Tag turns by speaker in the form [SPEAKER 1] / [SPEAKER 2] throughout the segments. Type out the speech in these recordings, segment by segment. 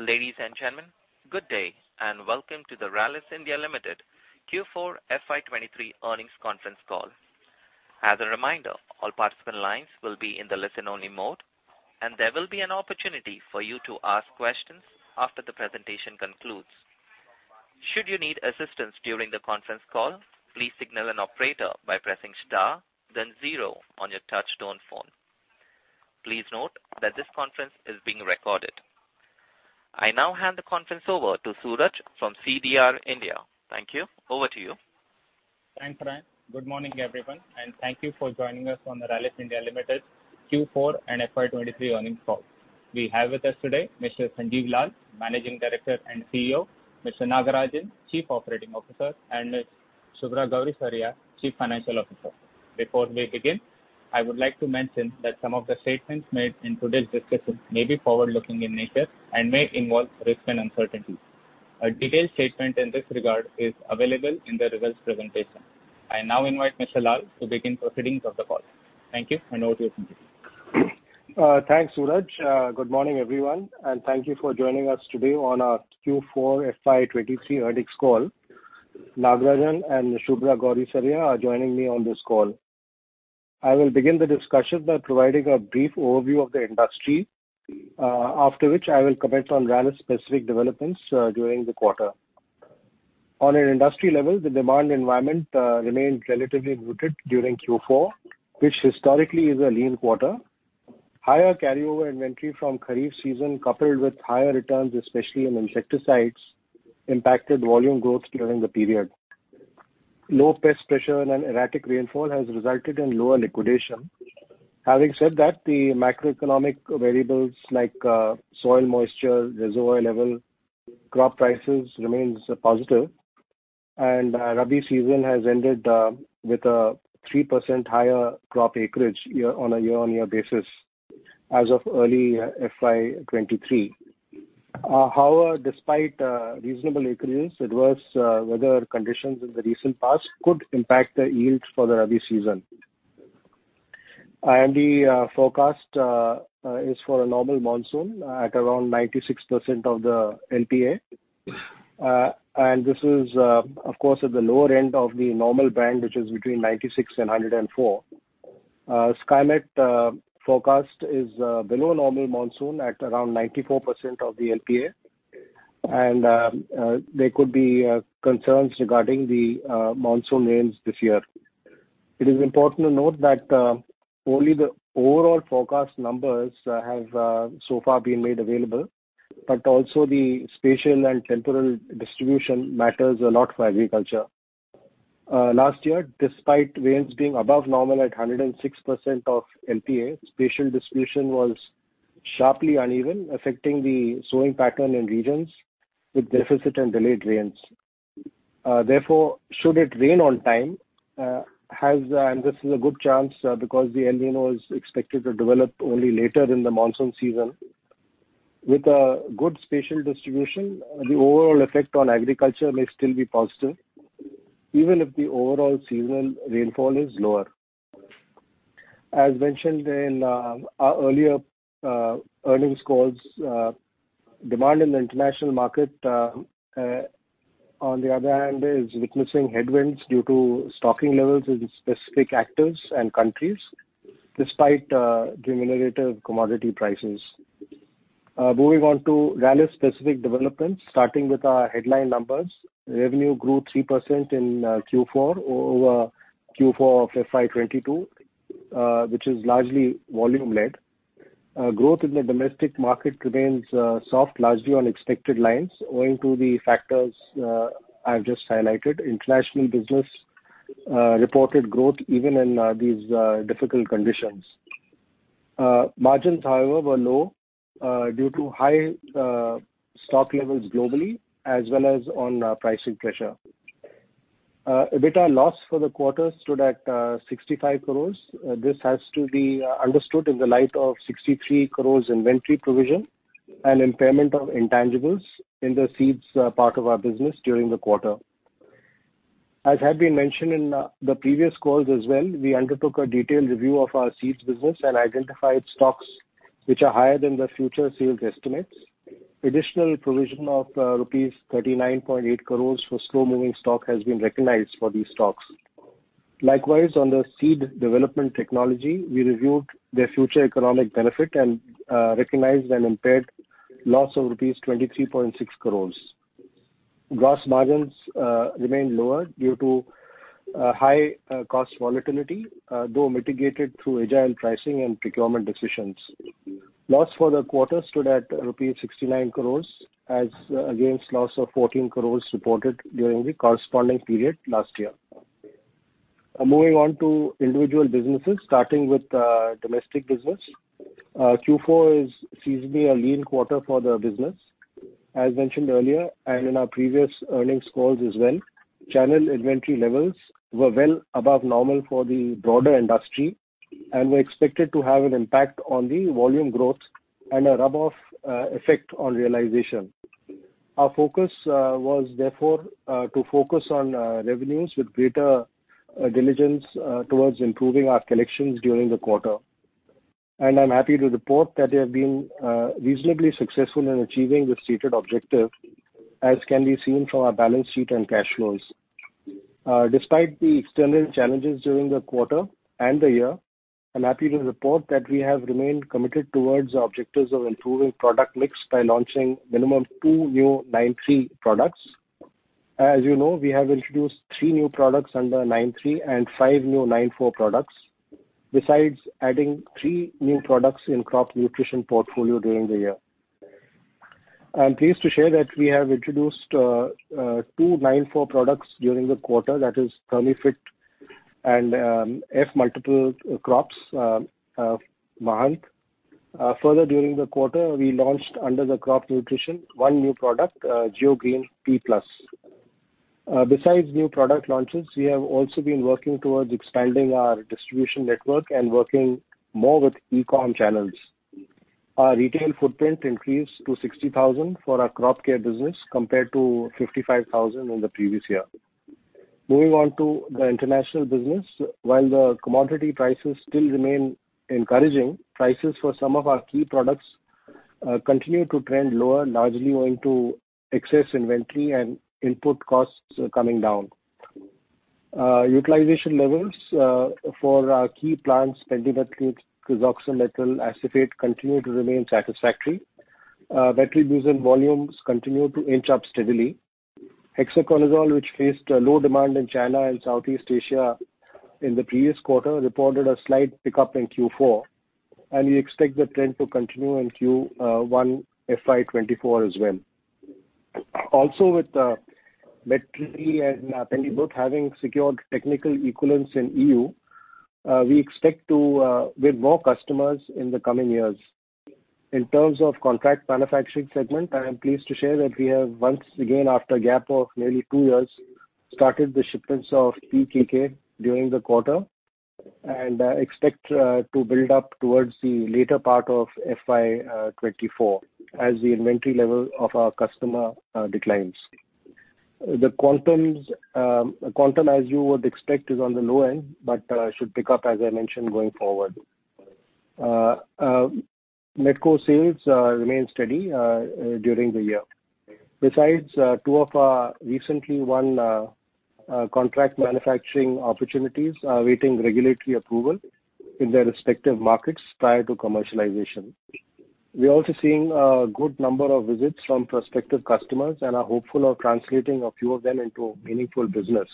[SPEAKER 1] Ladies and gentlemen, good day, and welcome to the Rallis India Limited Q4 FY 2023 earnings conference call. As a reminder, all participant lines will be in the listen-only mode, and there will be an opportunity for you to ask questions after the presentation concludes. Should you need assistance during the conference call, please signal an operator by pressing star then 0 on your touch-tone phone. Please note that this conference is being recorded. I now hand the conference over to Suraj from CDR India. Thank you. Over to you.
[SPEAKER 2] Thanks, Ryan. Good morning, everyone, and thank you for joining us on the Rallis India Limited Q4 and FY 2023 earnings call. We have with us today Mr. Sanjiv Lal, Managing Director and CEO, Mr. Nagarajan, Chief Operating Officer, and Ms. Subhra Gourisaria, Chief Financial Officer. Before we begin, I would like to mention that some of the statements made in today's discussion may be forward-looking in nature and may involve risks and uncertainties. A detailed statement in this regard is available in the results presentation. I now invite Mr. Lal to begin proceedings of the call. Thank you, and over to you, sir.
[SPEAKER 3] Thanks, Suraj. Good morning, everyone, and thank you for joining us today on our Q4 FY 2023 earnings call. Nagarajan and Subhra Gourisaria are joining me on this call. I will begin the discussion by providing a brief overview of the industry, after which I will comment on Rallis specific developments during the quarter. On an industry level, the demand environment remained relatively muted during Q4, which historically is a lean quarter. Higher carryover inventory from kharif season, coupled with higher returns, especially in insecticides, impacted volume growth during the period. Low pest pressure and an erratic rainfall has resulted in lower liquidation. Having said that, the macroeconomic variables like soil moisture, reservoir level, crop prices remain positive and rabi season has ended with a 3% higher crop acreage year-on-year basis as of early FY 2023. However, despite reasonable acreage, adverse weather conditions in the recent past could impact the yields for the rabi season. IMD forecast is for a normal monsoon at around 96% of the LPA, and this is, of course, at the lower end of the normal band, which is between 96% and 104%. Skymet forecast is below normal monsoon at around 94% of the LPA and there could be concerns regarding the monsoon rains this year. It is important to note that only the overall forecast numbers have so far been made available, but also the spatial and temporal distribution matters a lot for agriculture. Last year, despite rains being above normal at 106% of LPA, spatial distribution was sharply uneven, affecting the sowing pattern in regions with deficit and delayed rains. Therefore, should it rain on time, and this is a good chance, because the El Niño is expected to develop only later in the monsoon season. With a good spatial distribution, the overall effect on agriculture may still be positive, even if the overall seasonal rainfall is lower. As mentioned in our earlier earnings calls, demand in the international market, on the other hand, is witnessing headwinds due to stocking levels in specific actors and countries despite cumulative commodity prices. Moving on to Rallis specific developments, starting with our headline numbers. Revenue grew 3% in Q4 over Q4 of FY 2022, which is largely volume-led. Growth in the domestic market remains soft, largely on expected lines owing to the factors I've just highlighted. International business reported growth even in these difficult conditions. Margins, however, were low due to high stock levels globally as well as on pricing pressure. EBITDA loss for the quarter stood at 65 crores. This has to be understood in the light of 63 crores inventory provision and impairment of intangibles in the seeds part of our business during the quarter. As had been mentioned in the previous calls as well, we undertook a detailed review of our seeds business and identified stocks which are higher than the future sales estimates. Additional provision of rupees 39.8 crores for slow-moving stock has been recognized for these stocks. Likewise, on the seed development technology, we reviewed their future economic benefit and recognized an impaired loss of rupees 23.6 crores. Gross margins remained lower due to high cost volatility, though mitigated through agile pricing and procurement decisions. Loss for the quarter stood at rupees 69 crores as against loss of 14 crores reported during the corresponding period last year. Moving on to individual businesses, starting with the domestic business. Q4 is seasonally a lean quarter for the business. As mentioned earlier and in our previous earnings calls as well, channel inventory levels were well above normal for the broader industry and were expected to have an impact on the volume growth and a rub-off effect on realization. Our focus was therefore to focus on revenues with greater diligence towards improving our collections during the quarter. I'm happy to report that they have been reasonably successful in achieving the stated objective, as can be seen from our balance sheet and cash flows. Despite the external challenges during the quarter and the year, I'm happy to report that we have remained committed towards the objectives of improving product mix by launching minimum of two new 9(3) products. As you know, we have introduced three new products under 9(3) and five new 9(4) products, besides adding three new products in crop nutrition portfolio during the year. I'm pleased to share that we have introduced two 9(4) products during the quarter, that is Termifite and F-Multiplie Crops MahaAnk. Further during the quarter, we launched under the crop nutrition one new product, GeoGreen T+. Besides new product launches, we have also been working towards expanding our distribution network and working more with e-com channels. Our retail footprint increased to 60,000 for our crop care business compared to 55,000 in the previous year. Moving on to the international business. While the commodity prices still remain encouraging, prices for some of our key products continue to trend lower, largely owing to excess inventory and input costs coming down. Utilization levels for our key plants, pendimethalin, quizalofop-P-ethyl, acephate, continue to remain satisfactory. Metribuzin volumes continue to inch up steadily. Hexaconazole, which faced a low demand in China and Southeast Asia in the previous quarter, reported a slight pickup in Q4, and we expect the trend to continue in Q1 FY2024 as well. Also, with metribuzin and pendimethalin both having secured technical equivalence in EU, we expect to with more customers in the coming years. In terms of contract manufacturing segment, I am pleased to share that we have, once again after a gap of nearly two years, started the shipments of PEKK during the quarter, and expect to build up towards the later part of FY 2024 as the inventory level of our customer declines. The quantum, as you would expect, is on the low end, but should pick up, as I mentioned, going forward. Metco sales remained steady during the year. Besides, two of our recently won contract manufacturing opportunities are awaiting regulatory approval in their respective markets prior to commercialization. We're also seeing a good number of visits from prospective customers and are hopeful of translating a few of them into meaningful business.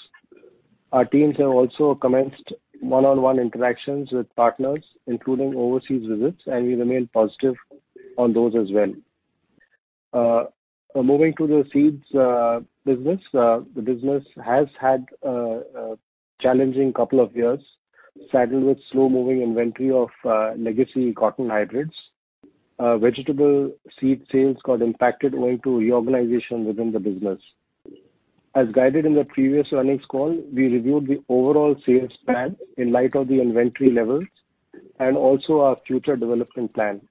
[SPEAKER 3] Our teams have also commenced one-on-one interactions with partners, including overseas visits, and we remain positive on those as well. Moving to the seeds business. The business has had a challenging couple of years saddled with slow-moving inventory of legacy cotton hybrids. Vegetable seed sales got impacted owing to reorganization within the business. As guided in the previous earnings call, we reviewed the overall sales plan in light of the inventory levels and also our future development plan.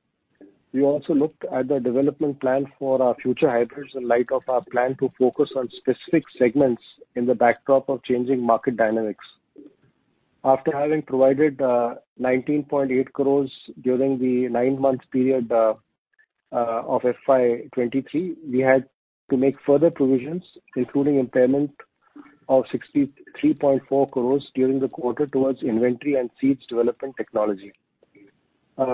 [SPEAKER 3] We also looked at the development plan for our future hybrids in light of our plan to focus on specific segments in the backdrop of changing market dynamics. After having provided, 19.8 crore during the nine-month period of FY 2023, we had to make further provisions, including impairment of 63.4 crore during the quarter towards inventory and seeds development technology.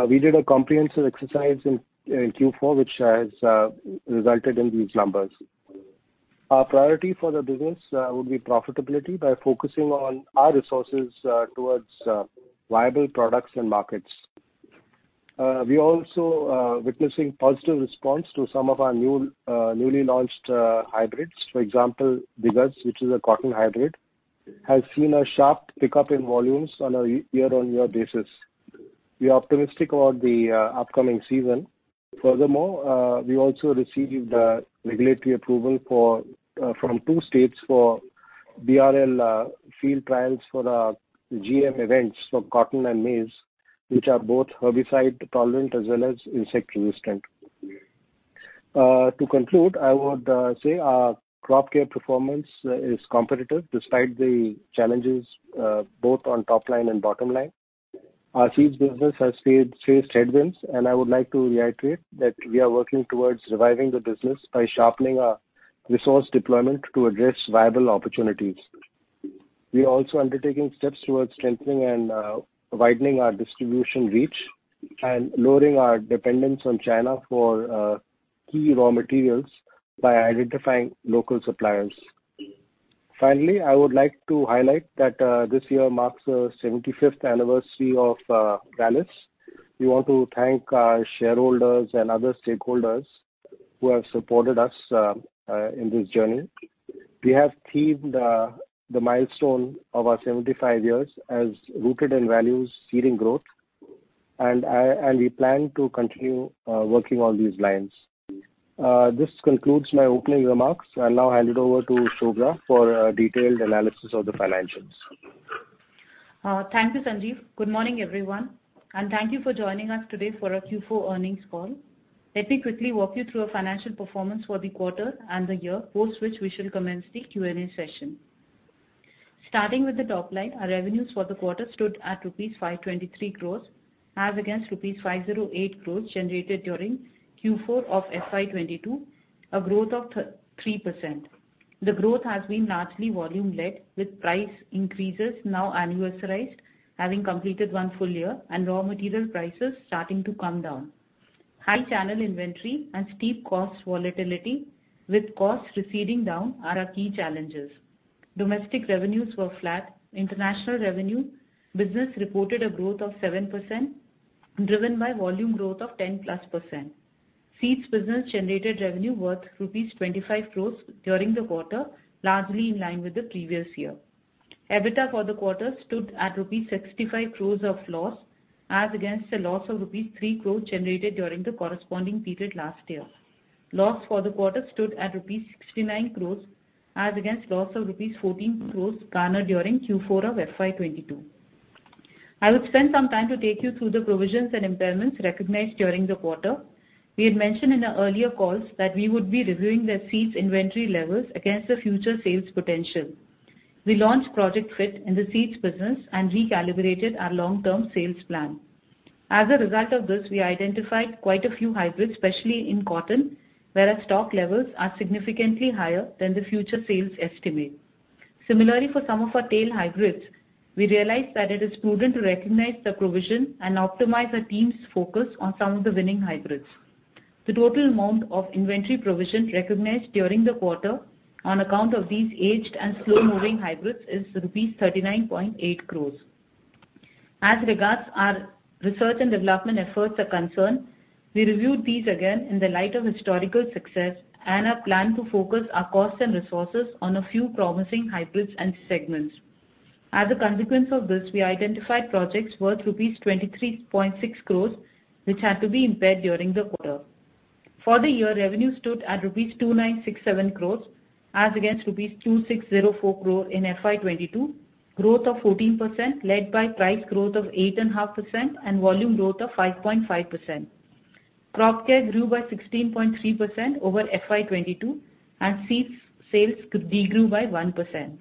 [SPEAKER 3] We did a comprehensive exercise in Q4, which has resulted in these numbers. Our priority for the business would be profitability by focusing on our resources towards viable products and markets. We also witnessing positive response to some of our new, newly launched hybrids. For example, Diggaz, which is a cotton hybrid, has seen a sharp pickup in volumes on a year-on-year basis. We are optimistic about the upcoming season. Furthermore, we also received regulatory approval for from two states for BRL field trials for our GM events for cotton and maize, which are both herbicide tolerant as well as insect resistant. To conclude, I would say our crop care performance is competitive despite the challenges, both on top line and bottom line. Our seeds business faced headwinds. I would like to reiterate that we are working towards reviving the business by sharpening our resource deployment to address viable opportunities. We are also undertaking steps towards strengthening and widening our distribution reach and lowering our dependence on China for key raw materials by identifying local suppliers. Finally, I would like to highlight that this year marks our 75th anniversary of Rallis. We want to thank our shareholders and other stakeholders who have supported us in this journey. We have themed the milestone of our 75 years as Rooted in Values, Seeding Growth, and we plan to continue working on these lines. This concludes my opening remarks. I'll now hand it over to Shubhra for a detailed analysis of the financials.
[SPEAKER 4] Thank you, Sanjiv Lal. Good morning, everyone, thank you for joining us today for our Q4 earnings call. Let me quickly walk you through our financial performance for the quarter and the year, post which we shall commence the Q&A session. Starting with the top line, our revenues for the quarter stood at rupees 523 crores as against rupees 508 crores generated during Q4 of FY 2022, a growth of 3%. The growth has been largely volume-led, with price increases now annualized, having completed one full year raw material prices starting to come down. High channel inventory steep cost volatility with costs receding down are our key challenges. Domestic revenues were flat. International revenue business reported a growth of 7%, driven by volume growth of 10+%. Seeds business generated revenue worth INR 25 crores during the quarter, largely in line with the previous year. EBITDA for the quarter stood at rupees 65 crores of loss, as against a loss of rupees 3 crore generated during the corresponding period last year. Loss for the quarter stood at rupees 69 crores, as against loss of rupees 14 crores garnered during Q4 of FY 2022. I will spend some time to take you through the provisions and impairments recognized during the quarter. We had mentioned in our earlier calls that we would be reviewing the seeds inventory levels against the future sales potential. We launched Project Fit in the seeds business and recalibrated our long-term sales plan. A result of this, we identified quite a few hybrids, especially in cotton, where our stock levels are significantly higher than the future sales estimate. Similarly, for some of our tail hybrids, we realized that it is prudent to recognize the provision and optimize our team's focus on some of the winning hybrids. The total amount of inventory provision recognized during the quarter on account of these aged and slow-moving hybrids is rupees 39.8 crores. As regards our research and development efforts are concerned, we reviewed these again in the light of historical success and our plan to focus our costs and resources on a few promising hybrids and segments. As a consequence of this, we identified projects worth rupees 23.6 crores, which had to be impaired during the quarter. For the year, revenue stood at rupees 2,967 crores, as against rupees 2,604 crore in FY 2022, growth of 14% led by price growth of 8.5% and volume growth of 5.5%. Crop Care grew by 16.3% over FY 2022. Seeds sales degrew by 1%.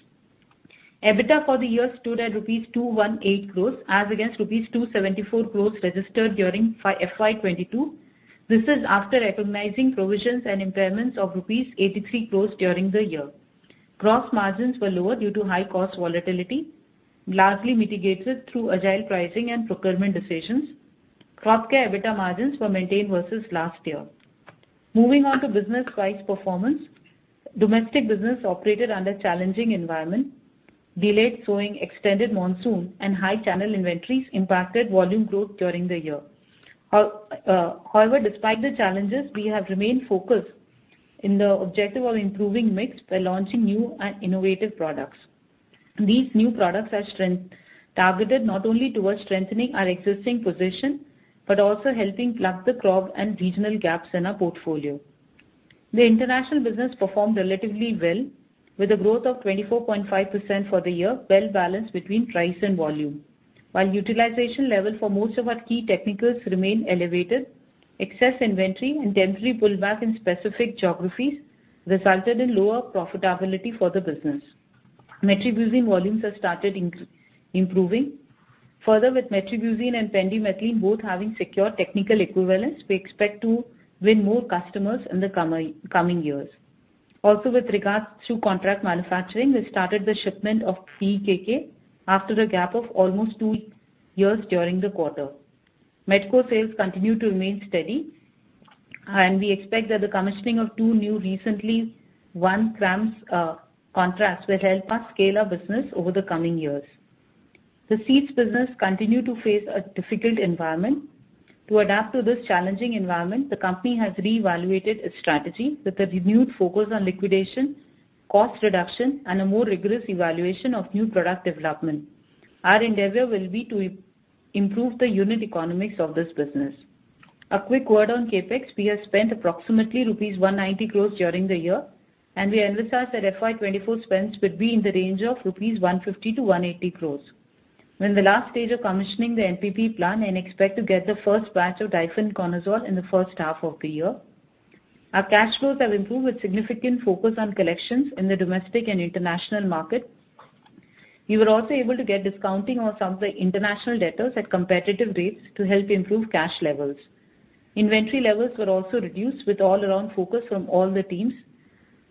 [SPEAKER 4] EBITDA for the year stood at rupees 218 crores as against rupees 274 crores registered during FY 2022. This is after recognizing provisions and impairments of rupees 83 crores during the year. Gross margins were lower due to high cost volatility, largely mitigated through agile pricing and procurement decisions. Crop Care EBITDA margins were maintained versus last year. Moving on to business wise performance. Domestic business operated under challenging environment. Delayed sowing, extended monsoon and high channel inventories impacted volume growth during the year. However, despite the challenges, we have remained focused in the objective of improving mix by launching new and innovative products. These new products are targeted not only towards strengthening our existing position, but also helping plug the crop and regional gaps in our portfolio. The international business performed relatively well, with a growth of 24.5% for the year, well-balanced between price and volume. While utilization level for most of our key technicals remain elevated, excess inventory and temporary pullback in specific geographies resulted in lower profitability for the business. metribuzin volumes have started improving. With metribuzin and pendimethalin both having secure technical equivalence, we expect to win more customers in the coming years. With regards to contract manufacturing, we started the shipment of PEKK after a gap of almost two years during the quarter. Metahelix sales continue to remain steady, and we expect that the commissioning of two new recently won CRAMS contracts will help us scale our business over the coming years. The seeds business continue to face a difficult environment. To adapt to this challenging environment, the company has reevaluated its strategy with a renewed focus on liquidation, cost reduction, and a more rigorous evaluation of new product development. Our endeavor will be to improve the unit economics of this business. A quick word on CapEx. We have spent approximately rupees 190 crores during the year, and we envisage that FY 2024 spends will be in the range of 150-180 crores rupees. We're in the last stage of commissioning the NPP plant and expect to get the first batch of difenoconazole in the first half of the year. Our cash flows have improved with significant focus on collections in the domestic and international market. We were also able to get discounting on some of the international debtors at competitive rates to help improve cash levels. Inventory levels were also reduced with all around focus from all the teams.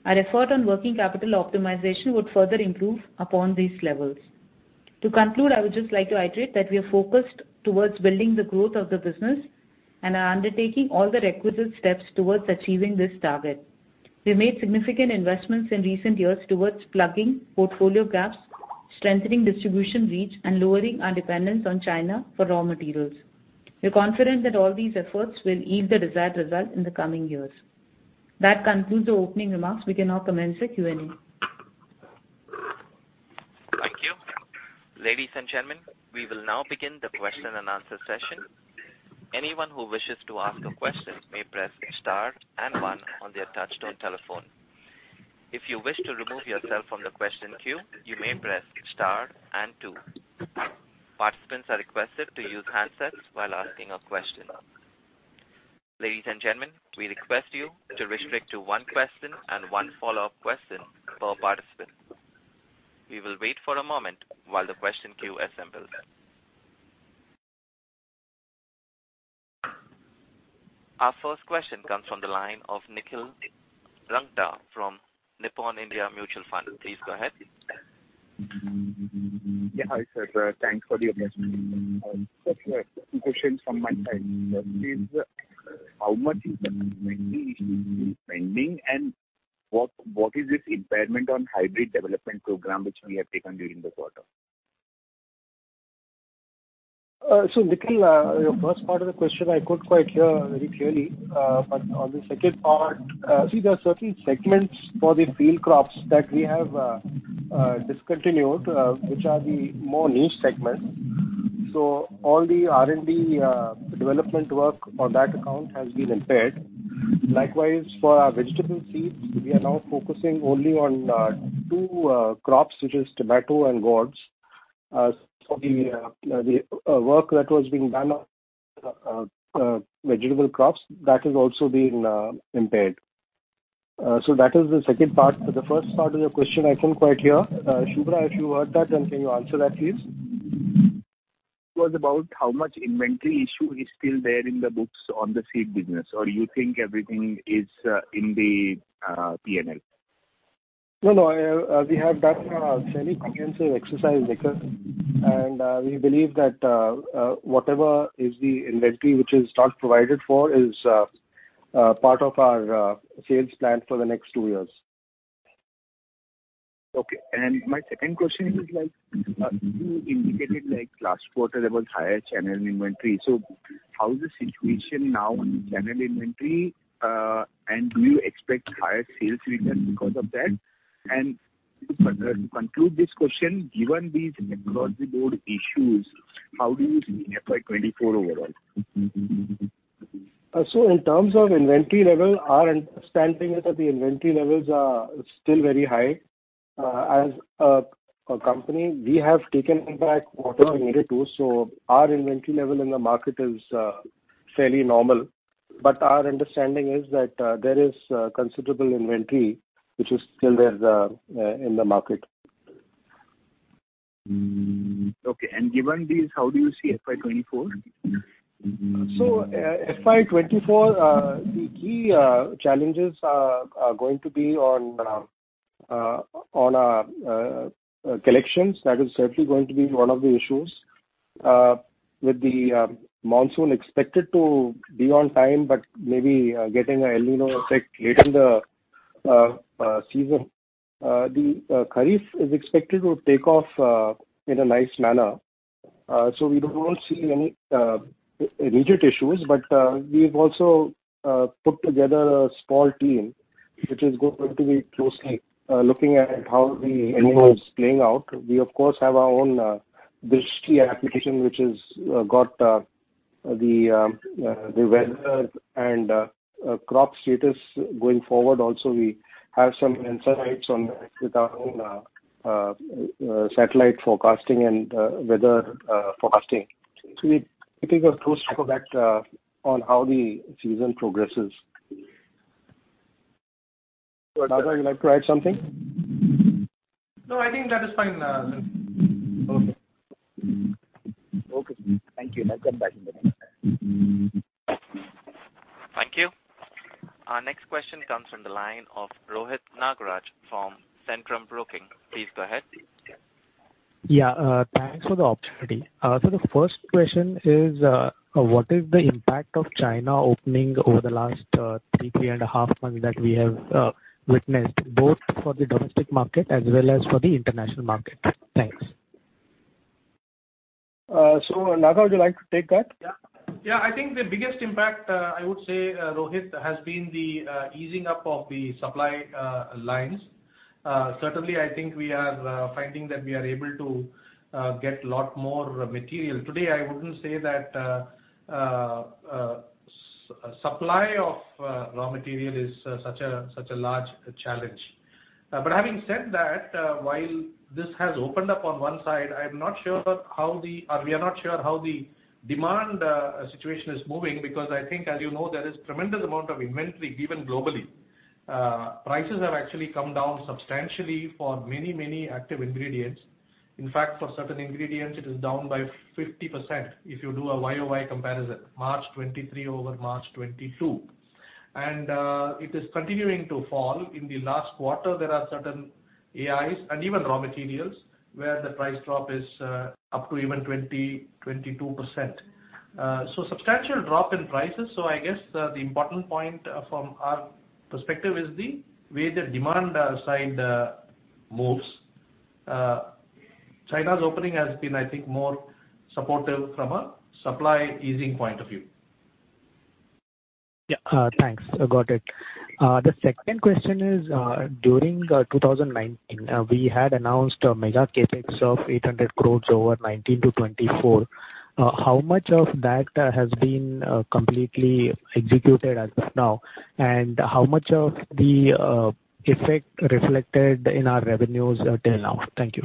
[SPEAKER 4] Our effort on working capital optimization would further improve upon these levels. To conclude, I would just like to iterate that we are focused towards building the growth of the business and are undertaking all the requisite steps towards achieving this target. We've made significant investments in recent years towards plugging portfolio gaps, strengthening distribution reach, and lowering our dependence on China for raw materials. We're confident that all these efforts will yield the desired result in the coming years. That concludes the opening remarks. We can now commence the Q&A.
[SPEAKER 1] Thank you. Ladies and gentlemen, we will now begin the question and answer session. Anyone who wishes to ask a question may press star and one on their touch-tone telephone. If you wish to remove yourself from the question queue, you may press star and two. Participants are requested to use handsets while asking a question. Ladies and gentlemen, we request you to restrict to one question and one follow-up question per participant. We will wait for a moment while the question queue assembles. Our first question comes from the line of Nikhil Rungta from Nippon India Mutual Fund. Please go ahead.
[SPEAKER 5] Yeah. Hi, sir. Thanks for the opportunity. Just two questions from my side. First is, how much is the pending, and what is this impairment on hybrid development program which we have taken during the quarter?
[SPEAKER 3] Nikhil, your first part of the question I couldn't quite hear very clearly. On the second part, see, there are certain segments for the field crops that we have discontinued, which are the more niche segments. All the R&D development work on that account has been impaired. Likewise, for our vegetable seeds, we are now focusing only on two crops, which is tomato and gourds. The work that was being done on vegetable crops, that is also being impaired. That is the second part. The first part of your question I couldn't quite hear. Shubhra, if you heard that, can you answer that, please?
[SPEAKER 5] It was about how much inventory issue is still there in the books on the seed business, or you think everything is in the P&L?
[SPEAKER 3] No, no. We have done a fairly comprehensive exercise, Nikhil, and we believe that whatever is the inventory which is not provided for is part of our sales plan for the next 2 years.
[SPEAKER 5] Okay. My second question is like, you indicated like last quarter there was higher channel inventory. How is the situation now on channel inventory? Do you expect higher sales return because of that? To conclude this question, given these across-the-board issues, how do you see FY 2024 overall?
[SPEAKER 3] In terms of inventory level, our understanding is that the inventory levels are still very high. As a company, we have taken impact. Our inventory level in the market is fairly normal. Our understanding is that there is considerable inventory which is still there in the market.
[SPEAKER 5] Okay. Given this, how do you see FY 2024?
[SPEAKER 3] FY 2024 the key challenges are going to be on collections. That is certainly going to be one of the issues. With the monsoon expected to be on time but maybe getting a El Niño effect later in the season, the kharif is expected to take off in a nice manner. We don't see any immediate issues, we've also put together a small team which is going to be closely looking at how the El Niño is playing out. We of course, have our own Drishti application, which has got the weather and crop status going forward also. We have some insights on with our own satellite forecasting and weather forecasting. We keep a close track of that, on how the season progresses. Naga, would you like to add something?
[SPEAKER 6] No, I think that is fine, Vin.
[SPEAKER 5] Okay. Okay. Thank you. I'll come back in a little time.
[SPEAKER 1] Thank you. Our next question comes from the line of Rohit Nagraj from Centrum Broking. Please go ahead.
[SPEAKER 7] Yeah. Thanks for the opportunity. The first question is what is the impact of China opening over the last three and a half months that we have witnessed, both for the domestic market as well as for the international market? Thanks.
[SPEAKER 3] Naga, would you like to take that?
[SPEAKER 6] Yeah. Yeah, I think the biggest impact, I would say, Rohit, has been the easing up of the supply lines. Certainly, I think we are finding that we are able to get lot more material. Today, I wouldn't say that supply of raw material is such a large challenge. Having said that, while this has opened up on one side, we are not sure how the demand situation is moving, because I think, as you know, there is tremendous amount of inventory even globally. Prices have actually come down substantially for many, many active ingredients. In fact, for certain ingredients, it is down by 50% if you do a YOY comparison, March 2023 over March 2022. It is continuing to fall. In the last quarter, there are certain AIs and even raw materials where the price drop is up to even 20%-22%. Substantial drop in prices. I guess the important point from our perspective is the way the demand side moves. China's opening has been, I think, more supportive from a supply easing point of view.
[SPEAKER 7] Yeah. Thanks. I got it. The second question is, during 2019, we had announced a mega CapEx of 800 crores over 2019-2024. How much of that has been, completely executed as of now? How much of the, effect reflected in our revenues, till now? Thank you.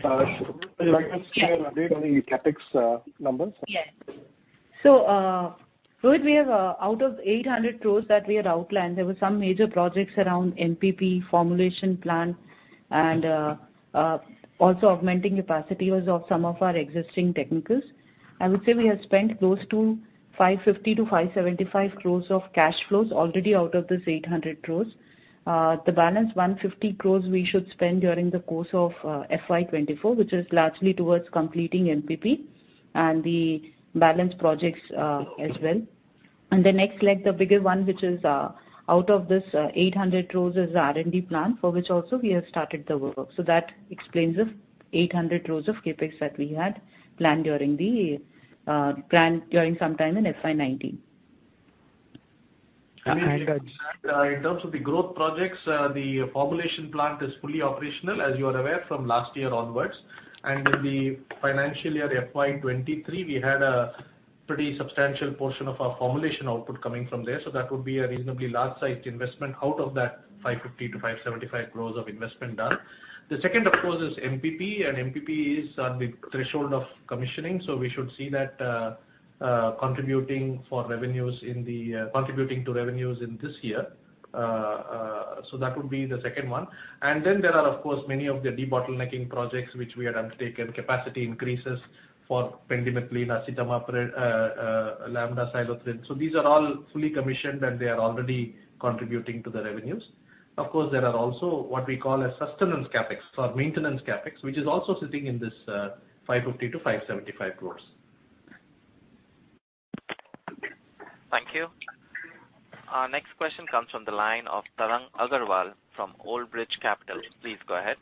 [SPEAKER 7] Can you give us an update on the CapEx numbers?
[SPEAKER 4] Rohit, we have, out of 800 crore that we had outlined, there were some major projects around MPP formulation plan and also augmenting capacities of some of our existing technicals. I would say we have spent close to 550 crore-575 crore of cash flows already out of this 800 crore. The balance 150 crore we should spend during the course of FY 2024, which is largely towards completing MPP and the balance projects as well. The next leg, the bigger one, which is out of this 800 crore is R&D plan for which also we have started the work. That explains the 800 crore of CapEx that we had planned during some time in FY 2019.
[SPEAKER 6] In terms of the growth projects, the formulation plant is fully operational, as you are aware, from last year onwards. In the financial year FY 2023, we had a pretty substantial portion of our formulation output coming from there. That would be a reasonably large sized investment out of that 550-575 crores of investment done. The second, of course, is MPP, and MPP is on the threshold of commissioning, so we should see that contributing to revenues in this year. So that would be the second one. Then there are, of course, many of the debottlenecking projects which we had undertaken, capacity increases for pendimethalin, acetamiprid, lambda-cyhalothrin. These are all fully commissioned, and they are already contributing to the revenues. Of course, there are also what we call a sustenance CapEx or maintenance CapEx, which is also sitting in this, 550-575 crores.
[SPEAKER 1] Thank you. Our next question comes from the line of Tarang Agrawal from Old Bridge Capital. Please go ahead.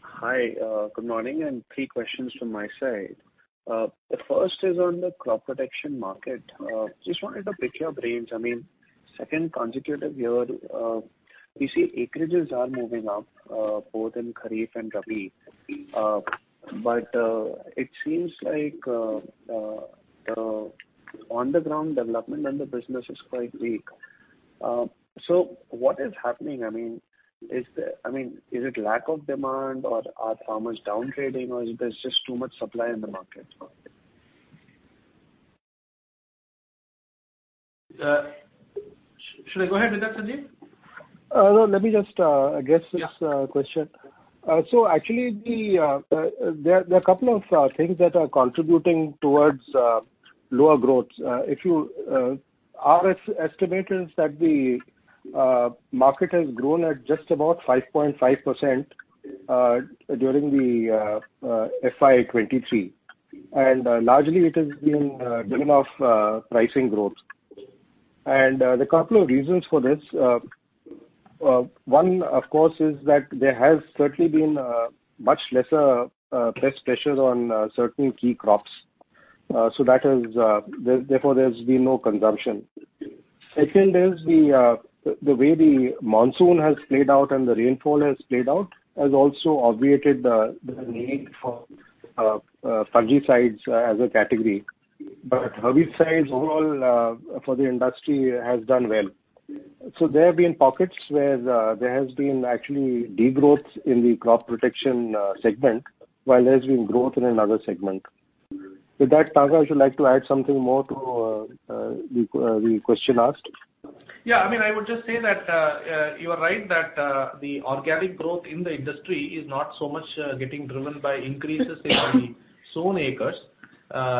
[SPEAKER 8] Hi. Good morning, three questions from my side. The first is on the crop protection market. Just wanted to pick your brains. I mean, second consecutive year, we see acreages are moving up, both in kharif and rabi. It seems like, the on-the-ground development and the business is quite weak. What is happening? I mean, is it lack of demand, or are farmers down trading, or is there just too much supply in the market?
[SPEAKER 6] Should I go ahead with that, Sanjeev?
[SPEAKER 3] no, let me just, address this, question.
[SPEAKER 6] Yeah.
[SPEAKER 3] Actually, there are a couple of things that are contributing towards lower growth. If you, our estimate is that the market has grown at just about 5.5% during the FY 2023. Largely it has been driven off pricing growth. There are a couple of reasons for this. One, of course, is that there has certainly been much lesser pest pressure on certain key crops. That is, therefore, there's been no consumption. Second is the way the monsoon has played out and the rainfall has played out has also obviated the need for fungicides as a category. Herbicides overall for the industry has done well. There have been pockets where there has been actually degrowth in the crop protection segment, while there's been growth in another segment. With that, Tarang, would you like to add something more to the question asked?
[SPEAKER 6] I mean, I would just say that you are right that the organic growth in the industry is not so much getting driven by increases in the sown acres.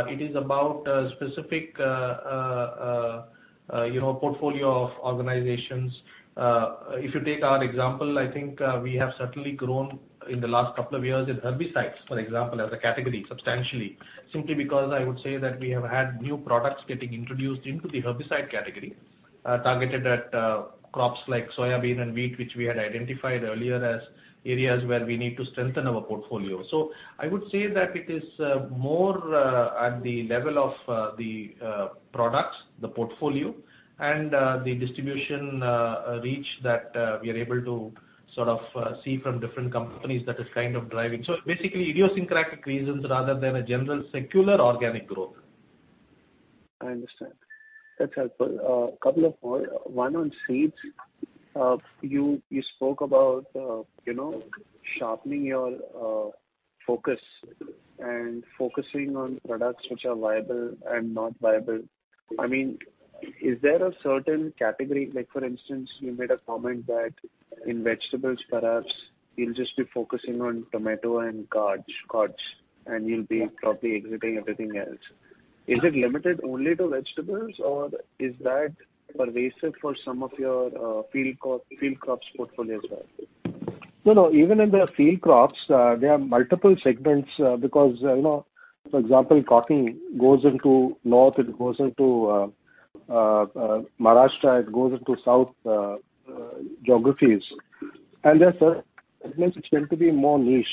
[SPEAKER 6] It is about specific, you know, portfolio of organizations. If you take our example, I think, we have certainly grown in the last couple of years in herbicides, for example, as a category substantially, simply because I would say that we have had new products getting introduced into the herbicide category, targeted at crops like soya bean and wheat, which we had identified earlier as areas where we need to strengthen our portfolio. I would say that it is more at the level of the products, the portfolio and the distribution reach that we are able to sort of see from different companies that is kind of driving. Basically, idiosyncratic reasons rather than a general secular organic growth.
[SPEAKER 8] I understand. That's helpful. A couple of more. One on seeds. You spoke about, you know, sharpening your focus and focusing on products which are viable and not viable. I mean, is there a certain category... Like for instance, you made a comment that in vegetables, perhaps you'll just be focusing on tomato and carrots, and you'll be probably exiting everything else. Is it limited only to vegetables, or is that pervasive for some of your field crops portfolio as well?
[SPEAKER 3] No, no. Even in the field crops, there are multiple segments, because, you know, for example, cotton goes into north, it goes into Maharashtra, it goes into south geographies. There are certain segments which tend to be more niche,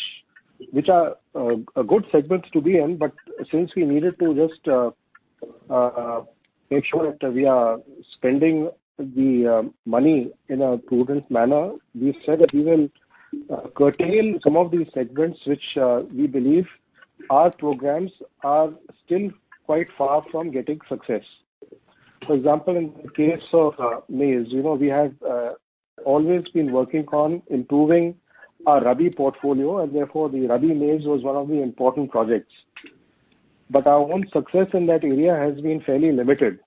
[SPEAKER 3] which are a good segment to be in, but since we needed to just make sure that we are spending the money in a prudent manner, we said that we will curtail some of these segments which we believe our programs are still quite far from getting success. For example, in the case of maize, you know, we have always been working on improving our rabi portfolio, therefore, the rabi maize was one of the important projects. Our own success in that area has been fairly limited.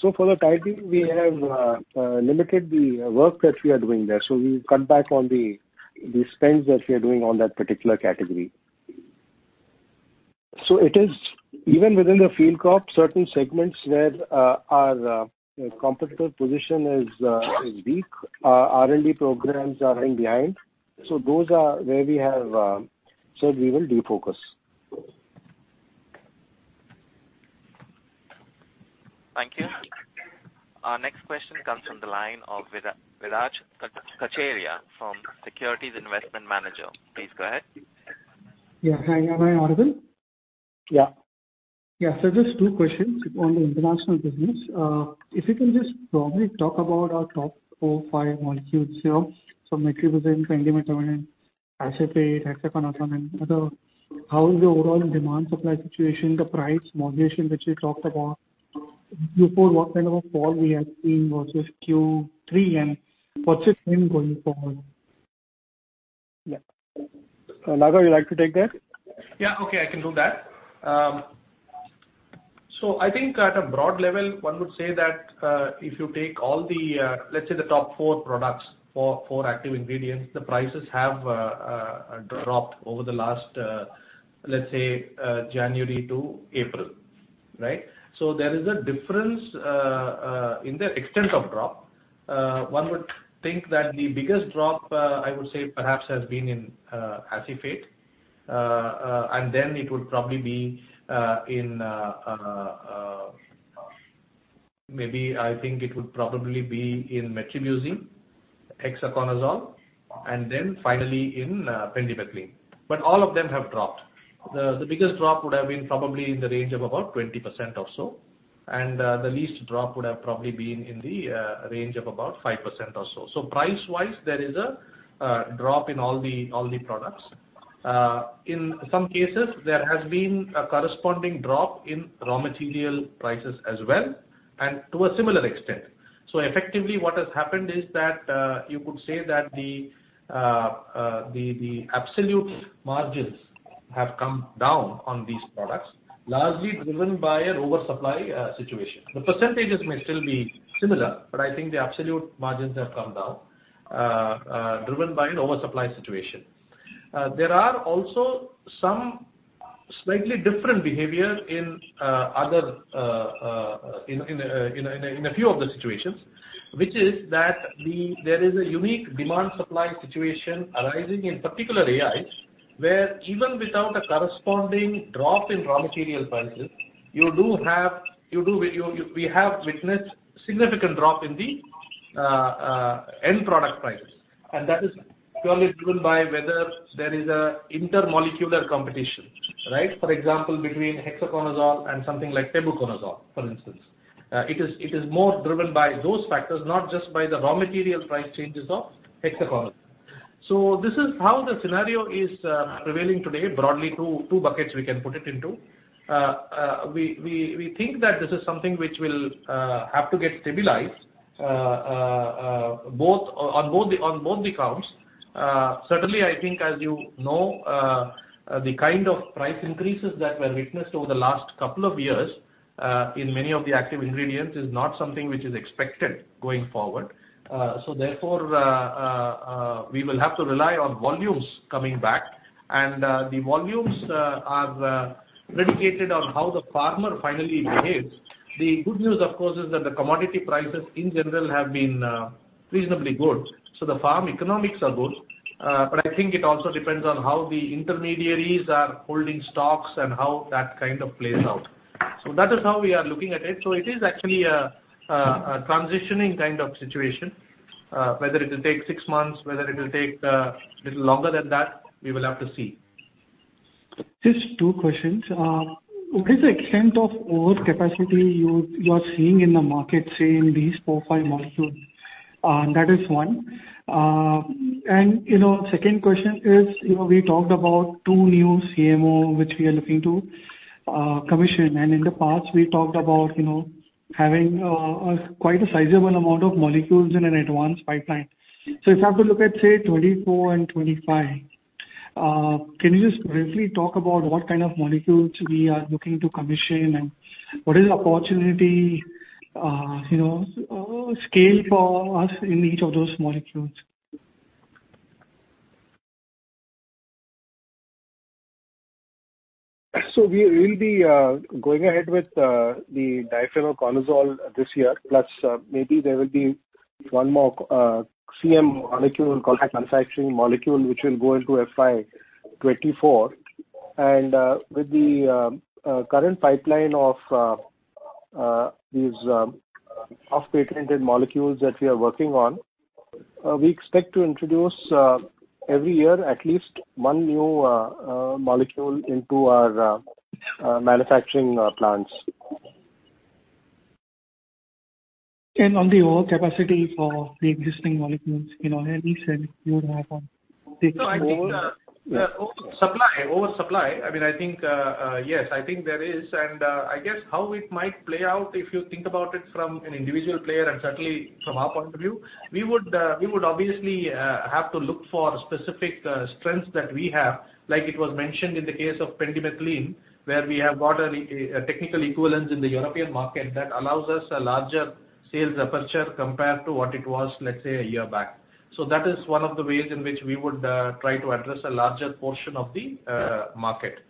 [SPEAKER 3] For the time being, we have limited the work that we are doing there. We've cut back on the spends that we are doing on that particular category. It is even within the field crop, certain segments where our competitive position is weak, our R&D programs are running behind. Those are where we have said we will de-focus.
[SPEAKER 1] Thank you. Our next question comes from the line of Viraj Kacharia from Securities Investment Management. Please go ahead.
[SPEAKER 9] Yeah. Hi. Am I audible?
[SPEAKER 3] Yeah.
[SPEAKER 9] Yeah. just two questions on the international business. if you can just broadly talk about our top four or five molecules, you know, metribuzin, pendimethalin, acephate, hexaconazole and other. How is the overall demand supply situation, the price moderation, which you talked about before, what kind of a fall we have seen versus Q3, and what's your plan going forward? Yeah.
[SPEAKER 3] Nagaraj, would you like to take that?
[SPEAKER 6] Yeah. Okay, I can do that. I think at a broad level, one would say that if you take all the, let's say the top 4 products, 4 active ingredients, the prices have dropped over the last, let's say, January to April, right? There is a difference in the extent of drop. One would think that the biggest drop, I would say perhaps has been in acephate. Then it would probably be in, maybe I think it would probably be in metribuzin, hexaconazole, and then finally in pendimethalin. All of them have dropped. The biggest drop would have been probably in the range of about 20% or so, and the least drop would have probably been in the range of about 5% or so. Price-wise, there is a drop in all the products. In some cases, there has been a corresponding drop in raw material prices as well, and to a similar extent. Effectively, what has happened is that you could say that the absolute margins have come down on these products, largely driven by an oversupply situation. The percentages may still be similar, but I think the absolute margins have come down, driven by an oversupply situation. e slightly different behavior in other in a few of the situations, which is that there is a unique demand supply situation arising in particular AIs, where even without a corresponding drop in raw material prices, you do have, you do, we have witnessed significant drop in the end product prices. That is purely driven by whether there is an intermolecular competition, right? For example, between hexaconazole and something like tebuconazole, for instance. It is more driven by those factors, not just by the raw material price changes of hexaconazole. This is how the scenario is prevailing today, broadly 2 buckets we can put it into We think that this is something which will have to get stabilized, on both the counts. Certainly, I think as you know, the kind of price increases that were witnessed over the last two years, in many of the active ingredients is not something which is expected going forward. Therefore, we will have to rely on volumes coming back, and the volumes are predicated on how the farmer finally behaves. The good news, of course, is that the commodity prices in general have been reasonably good. The farm economics are good, but I think it also depends on how the intermediaries are holding stocks and how that kind of plays out. That is how we are looking at it. It is actually a transitioning kind of situation, whether it will take six months, whether it will take little longer than that, we will have to see.
[SPEAKER 9] Just two questions. What is the extent of overcapacity you are seeing in the market, say, in these four, five molecules? That is one. Second question is, you know, we talked about two new CMO which we are looking to commission. In the past, we talked about, you know, having quite a sizable amount of molecules in an advanced pipeline. If I have to look at, say, 2024 and 2025, can you just briefly talk about what kind of molecules we are looking to commission and what is the opportunity, you know, scale for us in each of those molecules?
[SPEAKER 3] we'll be going ahead with the difenoconazole this year, plus maybe there will be one more CM molecule, contract manufacturing molecule, which will go into FY 2024. With the current pipeline of these off-patented molecules that we are working on, we expect to introduce every year at least one new molecule into our manufacturing plants.
[SPEAKER 9] On the overall capacity for the existing molecules in our herbicide, you would have a
[SPEAKER 6] No, I think the oversupply, I mean, I think, yes, I think there is. I guess how it might play out, if you think about it from an individual player and certainly from our point of view, we would obviously have to look for specific strengths that we have. Like it was mentioned in the case of pendimethalin, where we have got a technical equivalence in the European market that allows us a larger sales aperture compared to what it was, let's say, a year back. That is one of the ways in which we would try to address a larger portion of the market.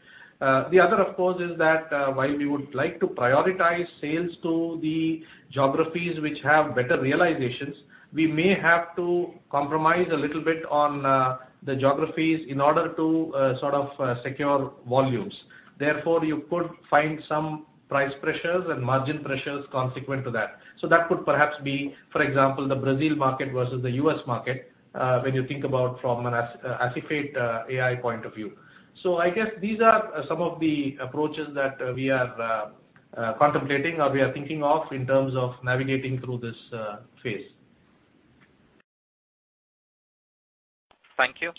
[SPEAKER 6] The other, of course, is that, while we would like to prioritize sales to the geographies which have better realizations, we may have to compromise a little bit on the geographies in order to sort of secure volumes. You could find some price pressures and margin pressures consequent to that. That could perhaps be, for example, the Brazil market versus the U.S. market, when you think about from an acephate AI point of view. I guess these are some of the approaches that we are contemplating or we are thinking of in terms of navigating through this phase.
[SPEAKER 1] Thank you.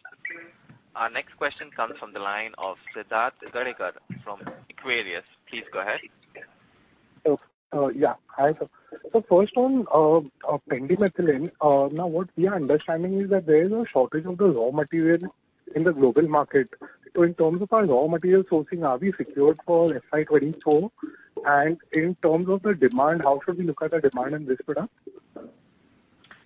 [SPEAKER 1] Our next question comes from the line of Siddharth Gadikar from Equirus. Please go ahead.
[SPEAKER 10] Yeah. Hi, sir. First on pendimethalin, now what we are understanding is that there is a shortage of the raw material in the global market. In terms of our raw material sourcing, are we secured for FY 2024? In terms of the demand, how should we look at the demand in this product?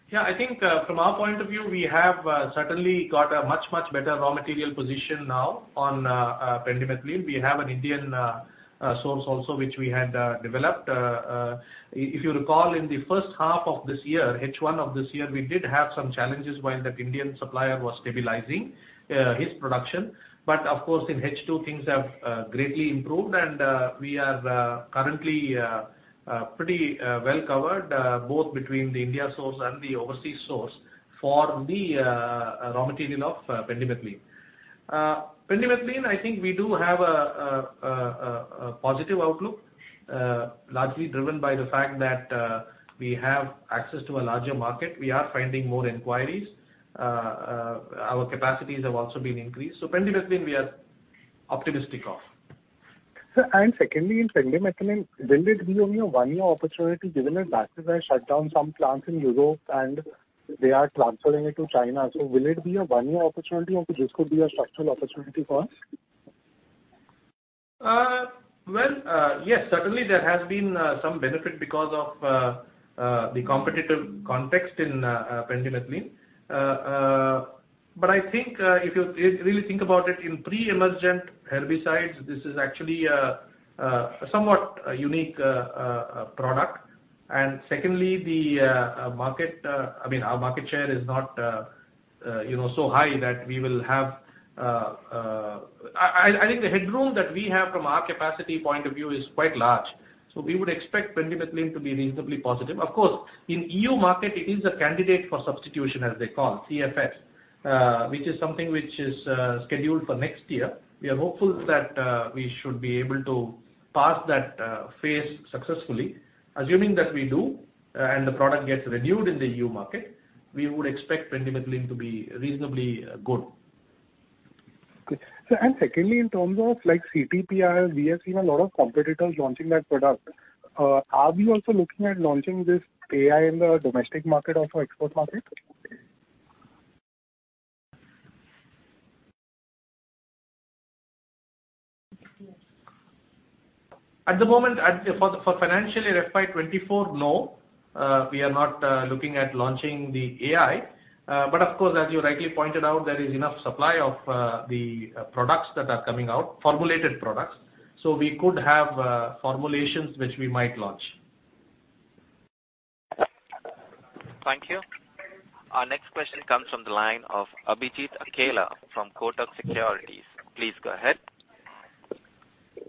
[SPEAKER 6] Yeah, I think, from our point of view, we have certainly got a much, much better raw material position now on pendimethalin. We have an Indian source also which we had developed. If you recall, in the first half of this year, H one of this year, we did have some challenges while that Indian supplier was stabilizing his production. Of course, in H two things have greatly improved and we are currently pretty well covered both between the India source and the overseas source for the raw material of pendimethalin. Pendimethalin, I think we do have a positive outlook, largely driven by the fact that we have access to a larger market. We are finding more inquiries. Our capacities have also been increased. pendimethalin we are optimistic of.
[SPEAKER 10] Sir, secondly in pendimethalin, will it be only a one-year opportunity given that BASF shut down some plants in Europe and they are transferring it to China. Will it be a one-year opportunity or could this could be a structural opportunity for us?
[SPEAKER 6] Well, yes, certainly there has been some benefit because of the competitive context in pendimethalin. I think, if you really think about it, in pre-emergent herbicides, this is actually a somewhat a unique product. Secondly, the market, I mean, our market share is not, you know, so high that we will have... I think the headroom that we have from our capacity point of view is quite large. We would expect pendimethalin to be reasonably positive. Of course, in EU market it is a candidate for substitution, as they call it, CFS, which is something which is scheduled for next year. We are hopeful that we should be able to pass that phase successfully. Assuming that we do and the product gets renewed in the EU market, we would expect pendimethalin to be reasonably good.
[SPEAKER 10] Okay. Sir, secondly, in terms of like CTPI, we have seen a lot of competitors launching that product. Are we also looking at launching this AI in the domestic market or for export market?
[SPEAKER 6] At the moment, for financially in FY 2024, no, we are not looking at launching the AI. Of course, as you rightly pointed out, there is enough supply of the products that are coming out, formulated products. We could have formulations which we might launch.
[SPEAKER 1] Thank you. Our next question comes from the line of Abhijit Akella from Kotak Securities. Please go ahead.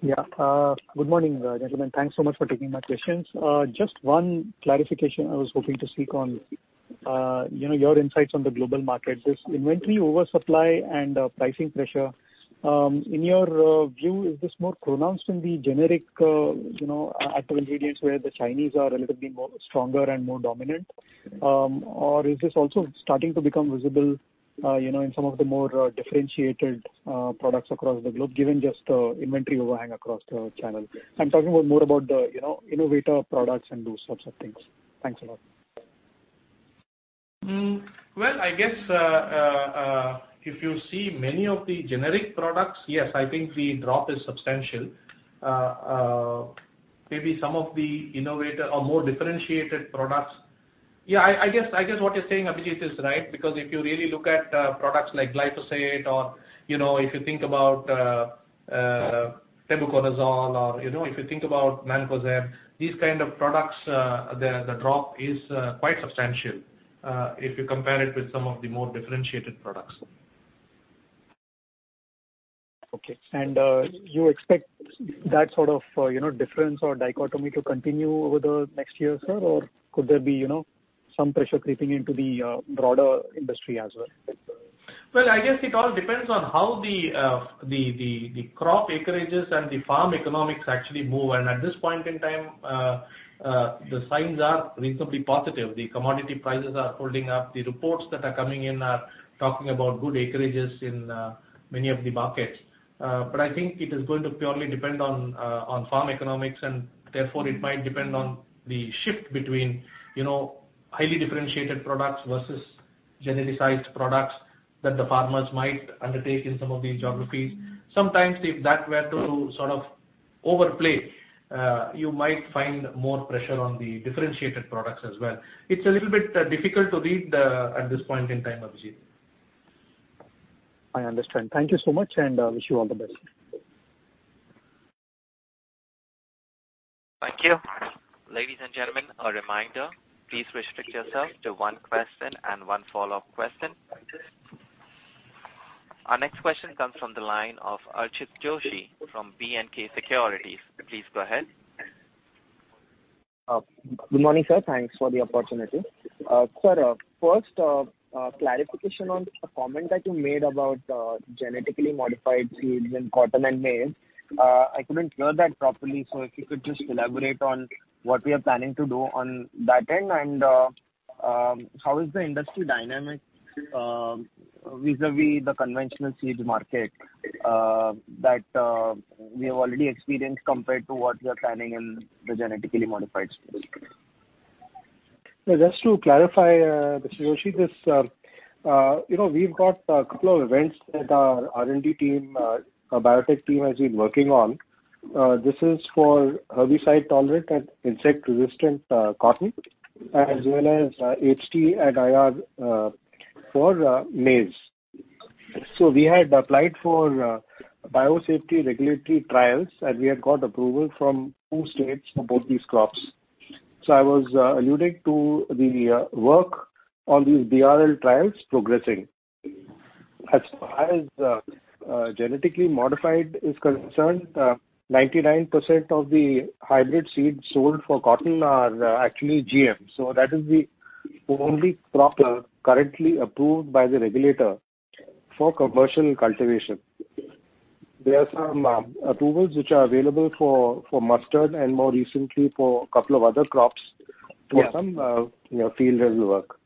[SPEAKER 11] Good morning, gentlemen. Thanks so much for taking my questions. Just one clarification I was hoping to seek on, you know, your insights on the global market. This inventory oversupply and pricing pressure, in your view, is this more pronounced in the generic, you know, active ingredients where the Chinese are relatively more stronger and more dominant? Is this also starting to become visible, you know, in some of the more differentiated products across the globe, given just the inventory overhang across the channel? I'm talking about more about the, you know, innovator products and those sorts of things. Thanks a lot.
[SPEAKER 6] Well, I guess, if you see many of the generic products, yes, I think the drop is substantial. Maybe some of the innovator or more differentiated products. I guess what you're saying, Abhijeet, is right, because if you really look at products like glyphosate or, you know, if you think about tebuconazole or, you know, if you think about mancozeb, these kind of products, the drop is quite substantial, if you compare it with some of the more differentiated products.
[SPEAKER 11] Okay. You expect that sort of, you know, difference or dichotomy to continue over the next year, sir? Or could there be, you know, some pressure creeping into the broader industry as well?
[SPEAKER 3] Well, I guess it all depends on how the crop acreages and the farm economics actually move. At this point in time, the signs are reasonably positive. The commodity prices are holding up. The reports that are coming in are talking about good acreages in many of the markets. I think it is going to purely depend on farm economics, and therefore it might depend on the shift between, you know, highly differentiated products versus genericized products that the farmers might undertake in some of these geographies. Sometimes if that were to sort of overplay, you might find more pressure on the differentiated products as well. It's a little bit difficult to read at this point in time, Abhijit.
[SPEAKER 11] I understand. Thank you so much, and I wish you all the best.
[SPEAKER 1] Thank you. Ladies and gentlemen, a reminder, please restrict yourself to one question and one follow-up question. Our next question comes from the line of Archit Joshi from BNK Securities. Please go ahead.
[SPEAKER 12] Good morning, sir. Thanks for the opportunity. Sir, first, clarification on a comment that you made about genetically modified seeds in cotton and maize. I couldn't hear that properly, so if you could just elaborate on what we are planning to do on that end and how is the industry dynamic vis-à-vis the conventional seed market that we have already experienced compared to what we are planning in the genetically modified space?
[SPEAKER 3] Just to clarify, Mr. Joshi, you know, we've got a couple of events that our R&D team, our biotech team has been working on. This is for herbicide-tolerant and insect-resistant cotton as well as HT and IR for maize. We had applied for biosafety regulatory trials, and we have got approval from two states for both these crops. I was alluding to the work on these BRL trials progressing. As far as genetically modified is concerned, 99% of the hybrid seeds sold for cotton are actually GM, that is the only crop currently approved by the regulator for commercial cultivation. There are some approvals which are available for mustard and more recently for a couple of other crops for some, you know, field ready work.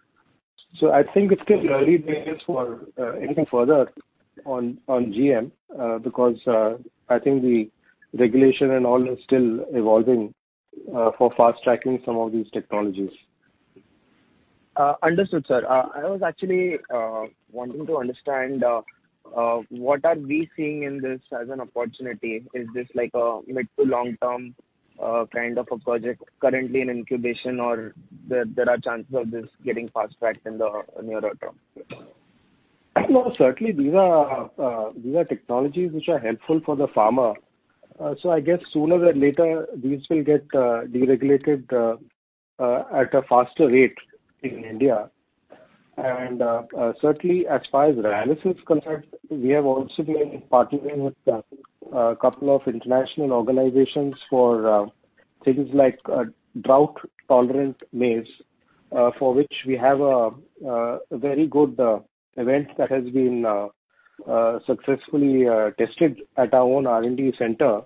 [SPEAKER 3] I think it's getting early days for anything further on GM, because, I think the regulation and all is still evolving, for fast-tracking some of these technologies.
[SPEAKER 12] Understood, sir. I was actually wanting to understand, what are we seeing in this as an opportunity? Is this like a mid to long-term, kind of a project currently in incubation or there are chances of this getting fast-tracked in the nearer term?
[SPEAKER 3] No, certainly these are technologies which are helpful for the farmer. So I guess sooner than later, these will get deregulated at a faster rate in India. Certainly as far as Rallis is concerned, we have also been partnering with a couple of international organizations for things like drought-tolerant maize, for which we have a very good event that has been successfully tested at our own R&D center.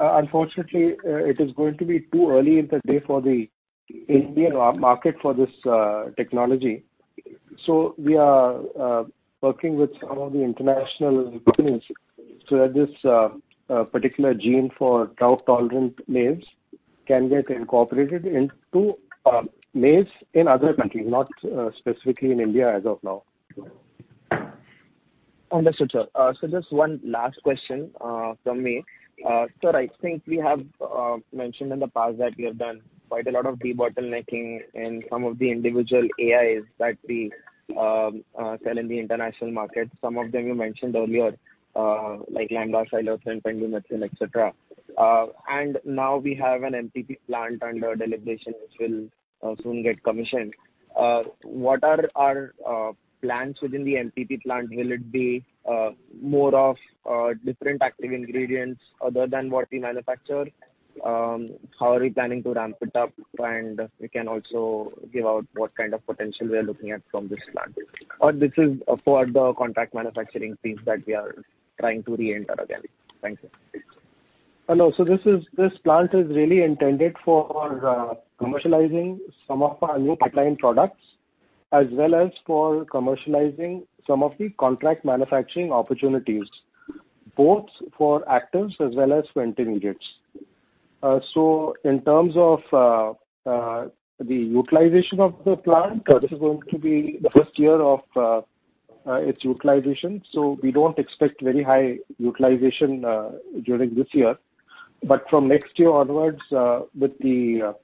[SPEAKER 3] Unfortunately, it is going to be too early in the day for the Indian market for this technology. We are working with some of the international companies so that this particular gene for drought-tolerant maize can get incorporated into maize in other countries, not specifically in India as of now.
[SPEAKER 12] Understood, sir. Just one last question from me. Sir, I think we have mentioned in the past that we have done quite a lot of debottlenecking in some of the individual AIs that we sell in the international market. Some of them you mentioned earlier, like lambda-cyhalothrin, pendimethalin, etc. Now we have an MPP plant under deliberation which will soon get commissioned. What are our plans within the MPP plant? Will it be more of different active ingredients other than what we manufacture? How are we planning to ramp it up? We can also give out what kind of potential we are looking at from this plant. This is for the contract manufacturing fees that we are trying to re-enter again. Thank you.
[SPEAKER 3] Hello. This plant is really intended for commercializing some of our new pipeline products as well as for commercializing some of the contract manufacturing opportunities, both for actives as well as for intermediates. In terms of the utilization of the plant, this is going to be the first year of its utilization, we don't expect very high utilization during this year. From next year onwards, with the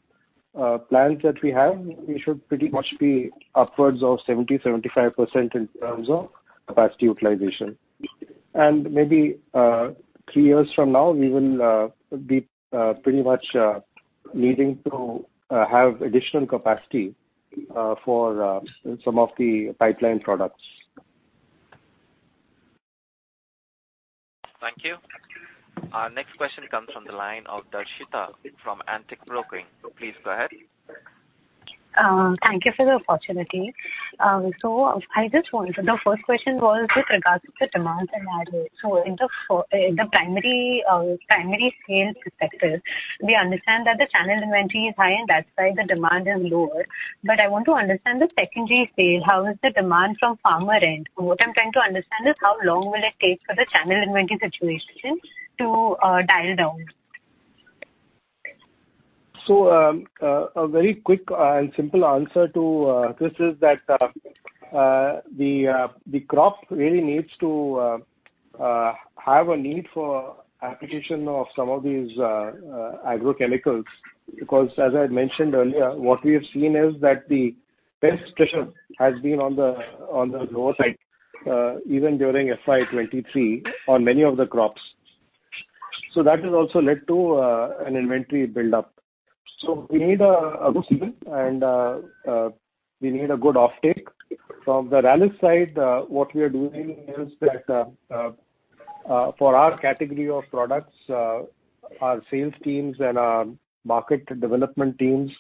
[SPEAKER 3] plans that we have, we should pretty much be upwards of 70%-75% in terms of capacity utilization. Maybe three years from now, we will be pretty much needing to have additional capacity for some of the pipeline products.
[SPEAKER 1] Thank you. Our next question comes from the line of Darshita from Antique Broking. Please go ahead.
[SPEAKER 13] Thank you for the opportunity. The first question was with regards to the demand and add rate. In the primary sales perspective, we understand that the channel inventory is high, and that's why the demand is lower. I want to understand the secondary sales. How is the demand from farmer end? What I'm trying to understand is how long will it take for the channel inventory situation to dial down?
[SPEAKER 3] A very quick and simple answer to this is that the crop really needs to have a need for application of some of these agrochemicals, because as I had mentioned earlier, what we have seen is that the pest pressure has been on the lower side, even during FY 2023 on many of the crops. That has also led to an inventory build-up. We need a good season and we need a good offtake. From the RCEL side, what we are doing is that for our category of products, our sales teams and our market development teams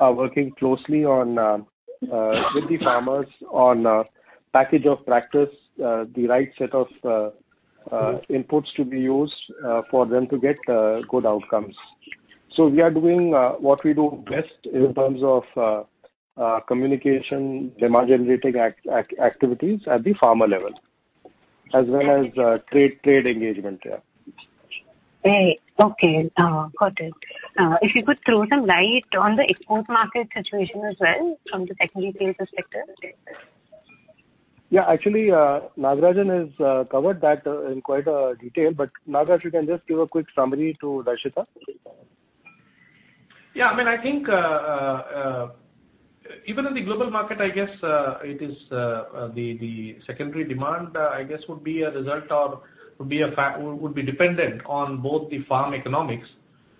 [SPEAKER 3] are working closely on with the farmers on package of practice, the right set of inputs to be used for them to get good outcomes. We are doing what we do best in terms of communication, demand generating activities at the farmer level as well as trade engagement. Yeah.
[SPEAKER 13] Great. Okay. Got it. If you could throw some light on the export market situation as well from the secondary sales perspective?
[SPEAKER 3] Yeah. Actually, Nagarajan has covered that in quite detail, but Nagaraj, you can just give a quick summary to Darshita.
[SPEAKER 6] Yeah. I mean, I think, even in the global market, I guess it is the secondary demand, I guess, would be a result or would be dependent on both the farm economics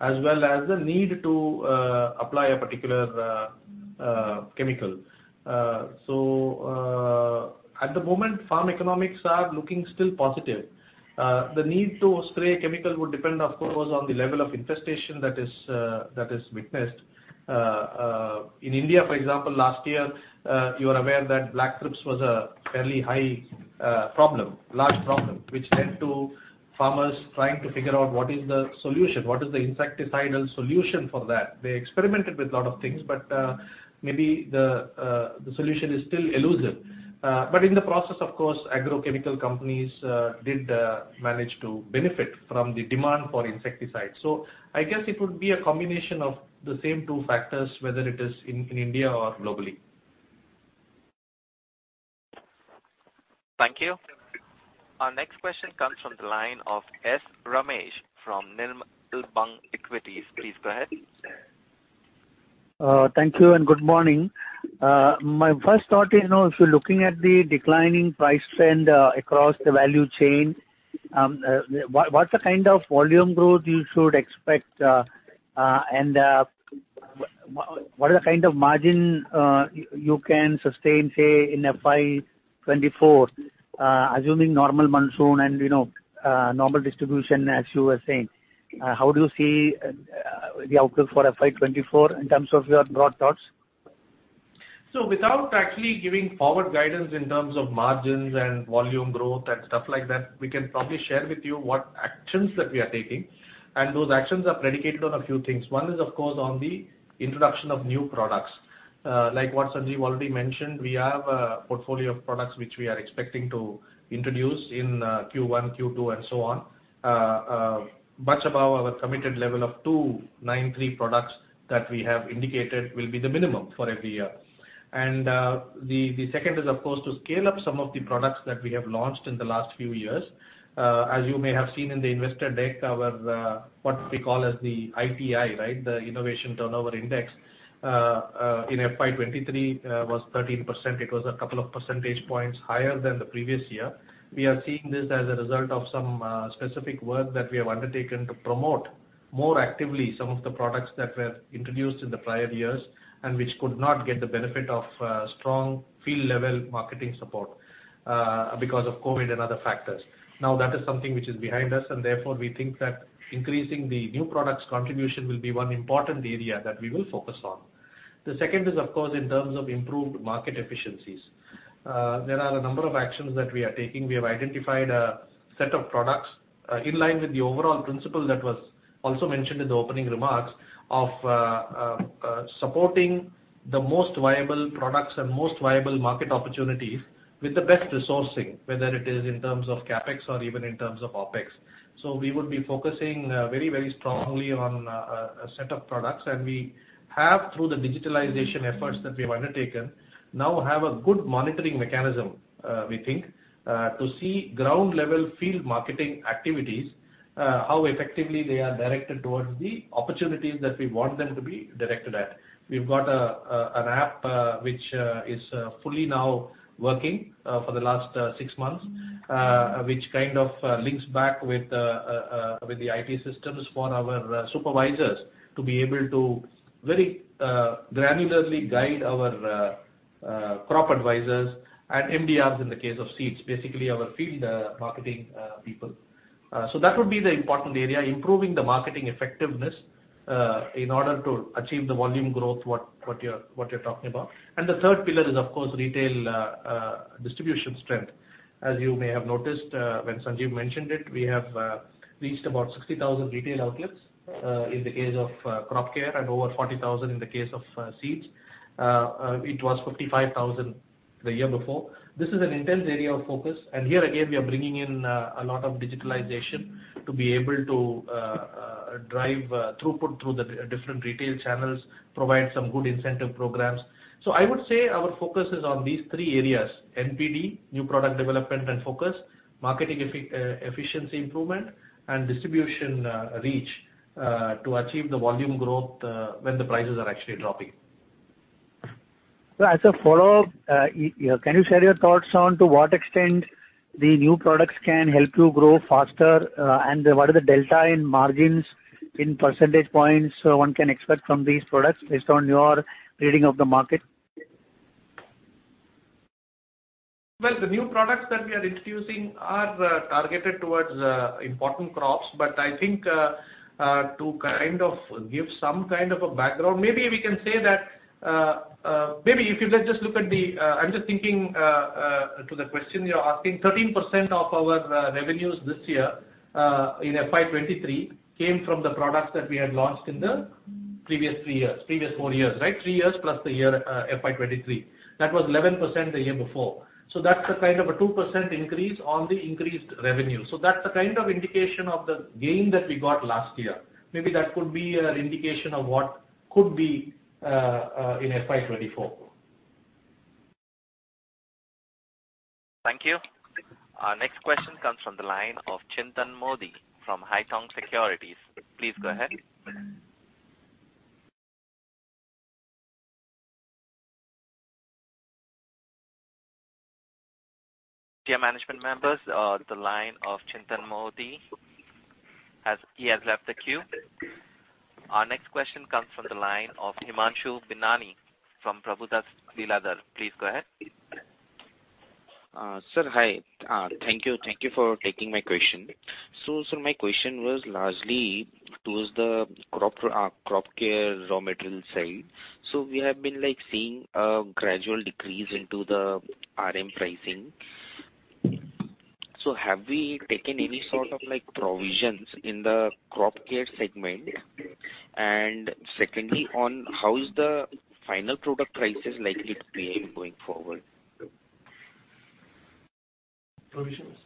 [SPEAKER 6] as well as the need to apply a particular chemical. At the moment, farm economics are looking still positive. The need to spray chemical would depend, of course, on the level of infestation that is witnessed. In India, for example, last year, you are aware that blackthrips was a fairly high, large problem, which led to farmers trying to figure out what is the solution, what is the insecticidal solution for that. They experimented with a lot of things, maybe the solution is still elusive. In the process, of course, agrochemical companies did manage to benefit from the demand for insecticides. I guess it would be a combination of the same two factors, whether it is in India or globally.
[SPEAKER 1] Thank you. Our next question comes from the line of S. Ramesh from Nirmal Bang Equities. Please go ahead.
[SPEAKER 14] Thank you and good morning. My first thought is, you know, if you're looking at the declining price trend across the value chain, what's the kind of volume growth you should expect, and what are the kind of margin you can sustain, say, in FY 2024, assuming normal monsoon and, you know, normal distribution as you were saying? How do you see the outlook for FY 2024 in terms of your broad thoughts?
[SPEAKER 6] Without actually giving forward guidance in terms of margins and volume growth and stuff like that, we can probably share with you what actions that we are taking, and those actions are predicated on a few things. One is, of course, on the introduction of new products. Like what Sanjiv already mentioned, we have a portfolio of products which we are expecting to introduce in Q1, Q2, and so on. Much above our committed level of 293 products that we have indicated will be the minimum for every year. The second is, of course, to scale up some of the products that we have launched in the last few years. As you may have seen in the investor deck, our what we call as the ITI, right? The Innovation Turnover Index in FY 2023 was 13%. It was a couple of percentage points higher than the previous year. We are seeing this as a result of some specific work that we have undertaken to promote more actively some of the products that were introduced in the prior years and which could not get the benefit of strong field level marketing support because of COVID and other factors. That is something which is behind us and therefore we think that increasing the new products contribution will be one important area that we will focus on. The second is, of course, in terms of improved market efficiencies. There are a number of actions that we are taking. We have identified a set of products, in line with the overall principle that was also mentioned in the opening remarks of supporting the most viable products and most viable market opportunities with the best resourcing, whether it is in terms of CapEx or even in terms of OpEx. We would be focusing very strongly on a set of products, and we have through the digitalization efforts that we've undertaken now have a good monitoring mechanism, we think, to see ground level field marketing activities, how effectively they are directed towards the opportunities that we want them to be directed at. We've got an app which is fully now working for the last 6 months which kind of links back with the IT systems for our supervisors to be able to very granularly guide our crop advisors and MDRs in the case of seeds, basically our field marketing people. So that would be the important area, improving the marketing effectiveness in order to achieve the volume growth, what you're talking about. The third pillar is of course, retail distribution strength. As you may have noticed when Sanjiv mentioned it, we have reached about 60,000 retail outlets in the case of crop care and over 40,000 retail outlets in the case of seeds. It was 55,000 retail outlets the year before. This is an intense area of focus, and here again, we are bringing in a lot of digitalization to be able to drive throughput through the different retail channels, provide some good incentive programs. I would say our focus is on these three areas: NPD, new product development and focus, marketing efficiency improvement, and distribution reach to achieve the volume growth when the prices are actually dropping.
[SPEAKER 14] As a follow-up, can you share your thoughts on to what extent the new products can help you grow faster? What are the delta in margins in percentage points 1 can expect from these products based on your reading of the market?
[SPEAKER 6] The new products that we are introducing are targeted towards important crops, I think to kind of give some kind of a background, maybe we can say that I'm just thinking to the question you're asking, 13% of our revenues this year in FY 2023, came from the products that we had launched in the previous three years, previous four years. 3 years+ the year FY 2023. That was 11% the year before. That's a kind of a 2% increase on the increased revenue. That's the kind of indication of the gain that we got last year. Maybe that could be an indication of what could be in FY 2024.
[SPEAKER 1] Thank you. Our next question comes from the line of Chintan Modi from Haitong Securities. Please go ahead. Dear management members, the line of Chintan Modi, as he has left the queue. Our next question comes from the line of Himanshu Binani from Prabhudas Lilladher. Please go ahead.
[SPEAKER 15] Sir, hi. Thank you. Thank you for taking my question. My question was largely towards the crop care raw material side. We have been, like, seeing a gradual decrease into the RM pricing. Have we taken any sort of, like, provisions in the crop care segment? Secondly, on how is the final product prices likely to behave going forward?
[SPEAKER 3] Provisions,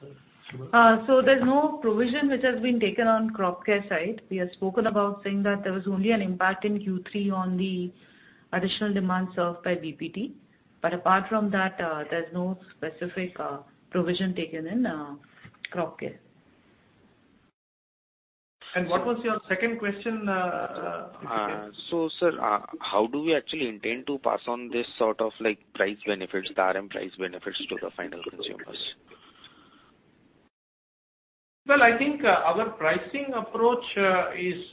[SPEAKER 3] Subha.
[SPEAKER 4] There's no provision which has been taken on crop care side. We have spoken about saying that there was only an impact in Q3 on the additional demand served by VPT. Apart from that, there's no specific provision taken in crop care.
[SPEAKER 6] What was your second question?
[SPEAKER 16] Sir, how do we actually intend to pass on this sort of like price benefits, the RM price benefits to the final consumers?
[SPEAKER 6] I think our pricing approach is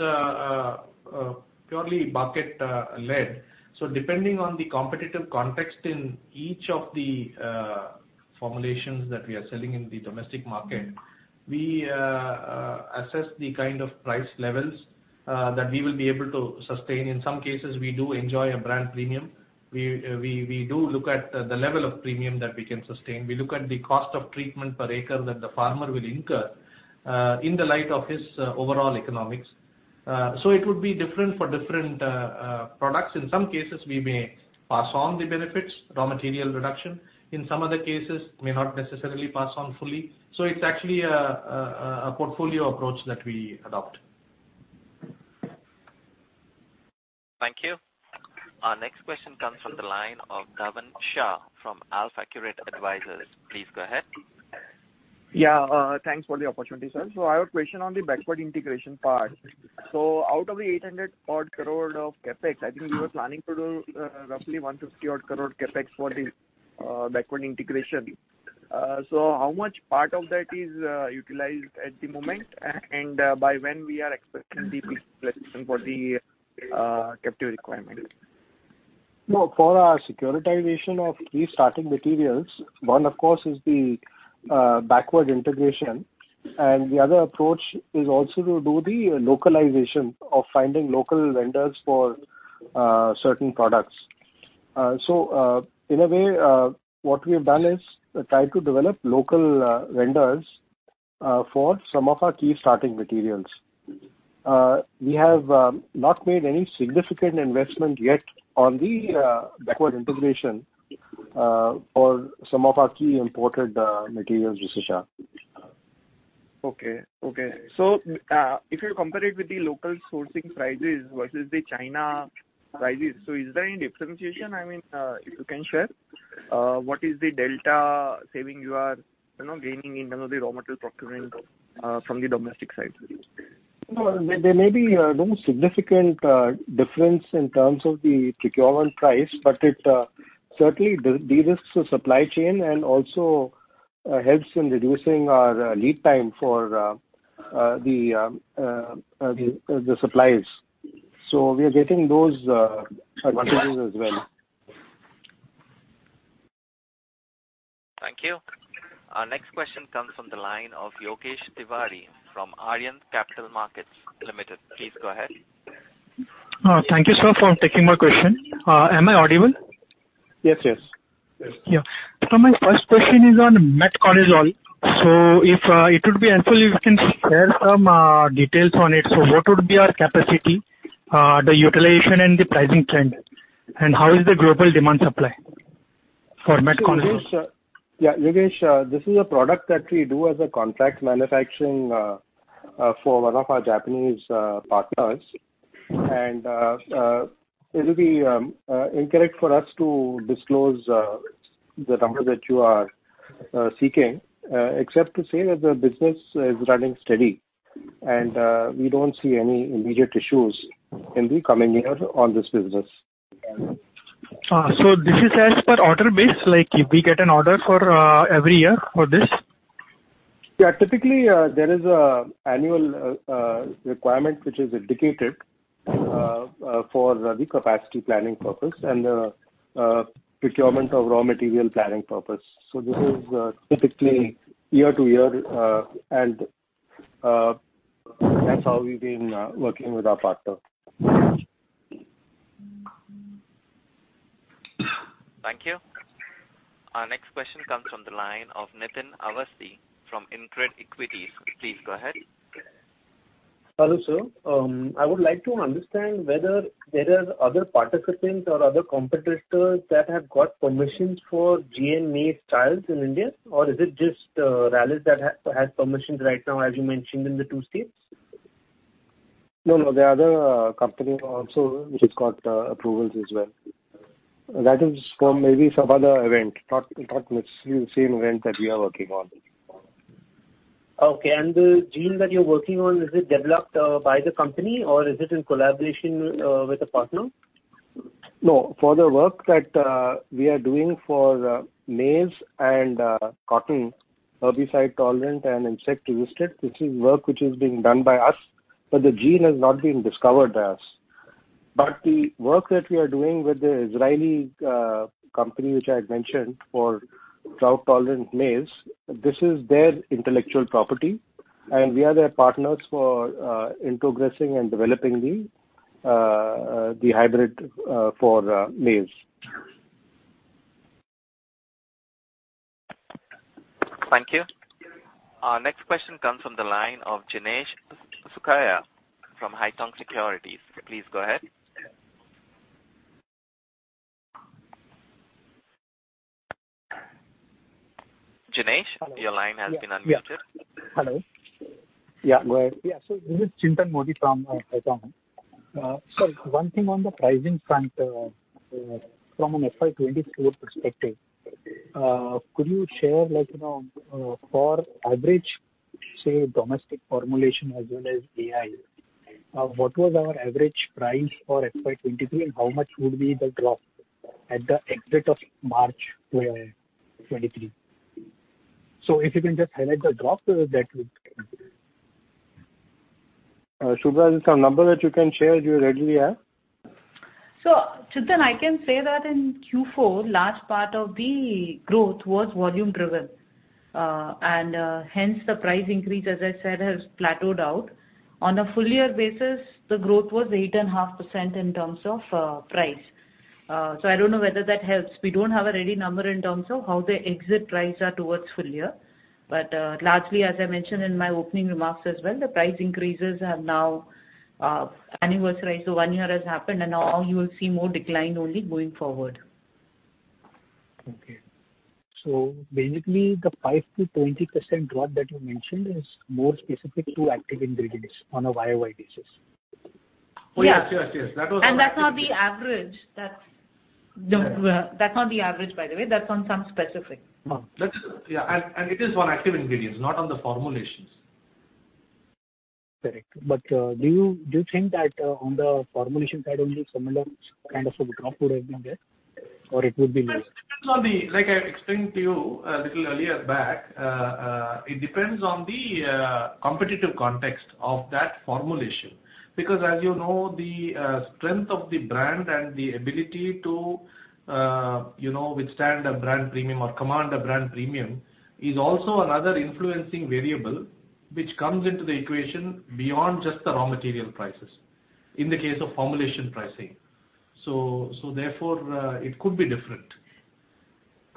[SPEAKER 6] purely market led. Depending on the competitive context in each of the formulations that we are selling in the domestic market, we assess the kind of price levels that we will be able to sustain. In some cases, we do enjoy a brand premium. We do look at the level of premium that we can sustain. We look at the cost of treatment per acre that the farmer will incur in the light of his overall economics. It would be different for different products. In some cases, we may pass on the benefits, raw material reduction. In some other cases, may not necessarily pass on fully. It's actually a portfolio approach that we adopt.
[SPEAKER 1] Thank you. Our next question comes from the line of Dhavan Shah from AlphaCurate Advisors. Please go ahead.
[SPEAKER 17] Thanks for the opportunity, sir. I have a question on the backward integration part. Out of the 800 odd crore of CapEx, I think you were planning to do, roughly 150 odd crore CapEx for the backward integration. How much part of that is utilized at the moment, and by when we are expecting the peak investment for the captive requirement?
[SPEAKER 3] No, for our securitization of key starting materials, one of course is the backward integration. The other approach is also to do the localization of finding local vendors for certain products. In a way, what we have done is tried to develop local vendors for some of our key starting materials. We have not made any significant investment yet on the backward integration for some of our key imported materials usage.
[SPEAKER 17] Okay. Okay. If you compare it with the local sourcing prices versus the China prices, so is there any differentiation? I mean, if you can share, what is the delta saving you are, you know, gaining in terms of the raw material procurement, from the domestic side?
[SPEAKER 3] There may be no significant difference in terms of the procurement price, but it certainly derisks the supply chain and also helps in reducing our lead time for the supplies. We are getting those advantages as well.
[SPEAKER 1] Thank you. Our next question comes from the line of Yogesh Tiwari from Arihant Capital Markets Limited. Please go ahead.
[SPEAKER 18] Thank you, sir, for taking my question. Am I audible?
[SPEAKER 3] Yes, yes. Yes.
[SPEAKER 19] Yeah. My first question is on metconazole. If it would be helpful if you can share some details on it. What would be our capacity, the utilization and the pricing trend? How is the global demand supply for metconazole?
[SPEAKER 3] Yes, Yogesh. This is a product that we do as a contract manufacturing for one of our Japanese partners. It will be incorrect for us to disclose the number that you are seeking, except to say that the business is running steady and we don't see any immediate issues in the coming year on this business.
[SPEAKER 19] So this is as per order base, like if we get an order for every year for this?
[SPEAKER 3] Yeah. Typically, there is a annual requirement which is indicated for the capacity planning purpose and procurement of raw material planning purpose. This is typically year to year, and that's how we've been working with our partner.
[SPEAKER 1] Thank you. Our next question comes from the line of Nitin Awasthi from InCred Equities. Please go ahead.
[SPEAKER 20] Hello, sir. I would like to understand whether there are other participants or other competitors that have got permissions for GM maize trials in India, or is it just Rallis that has permissions right now, as you mentioned, in the two states?
[SPEAKER 3] No, the other company also which has got approvals as well. That is from maybe some other event, not necessarily the same event that we are working on.
[SPEAKER 20] Okay. The gene that you're working on, is it developed by the company, or is it in collaboration with a partner?
[SPEAKER 3] No. For the work that we are doing for maize and cotton, herbicide tolerant and insect resistant, this is work which is being done by us, but the gene has not been discovered by us. The work that we are doing with the Israeli company, which I had mentioned for drought-tolerant maize, this is their intellectual property, and we are their partners for introgressing and developing the hybrid for maize.
[SPEAKER 1] Thank you. Our next question comes from the line of Jinesh Sukhadia from Haitong Securities. Please go ahead. Jinesh, your line has been unmuted.
[SPEAKER 15] Hello. Yeah. Yeah. This is Chintan Modi from Haitong. One thing on the pricing front, from an FY 2024 perspective, could you share, like, you know, for average, say, domestic formulation as well as AI, what was our average price for FY 2023, and how much would be the drop at the exit of March 2023? If you can just highlight the drop, that would...
[SPEAKER 3] Subhra, is there a number that you can share you already have?
[SPEAKER 4] Chintan, I can say that in Q4, large part of the growth was volume driven. And hence the price increase, as I said, has plateaued out. On a full year basis, the time the growth was 8.5% in terms of price. I don't know whether that helps. We don't have a ready number in terms of how the exit price are towards full year. Largely, as I mentioned in my opening remarks as well, the price increases have now annualized. One year has happened, and now you will see more decline only going forward.
[SPEAKER 15] Okay. Basically, the 5%-20% drop that you mentioned is more specific to active ingredients on a YOY basis.
[SPEAKER 4] Yes.
[SPEAKER 3] Oh, yes, yes.
[SPEAKER 4] That's not the average. That's No. That's not the average, by the way. That's on some specific.
[SPEAKER 15] Oh.
[SPEAKER 3] That is. Yeah. It is on active ingredients, not on the formulations.
[SPEAKER 15] Correct. Do you think that, on the formulation side only, similar kind of a drop would have been there or it would be less?
[SPEAKER 3] It depends on the... Like I explained to you a little earlier back, it depends on the competitive context of that formulation. As you know, the strength of the brand and the ability to, you know, withstand a brand premium or command a brand premium is also another influencing variable which comes into the equation beyond just the raw material prices in the case of formulation pricing. Therefore, it could be different.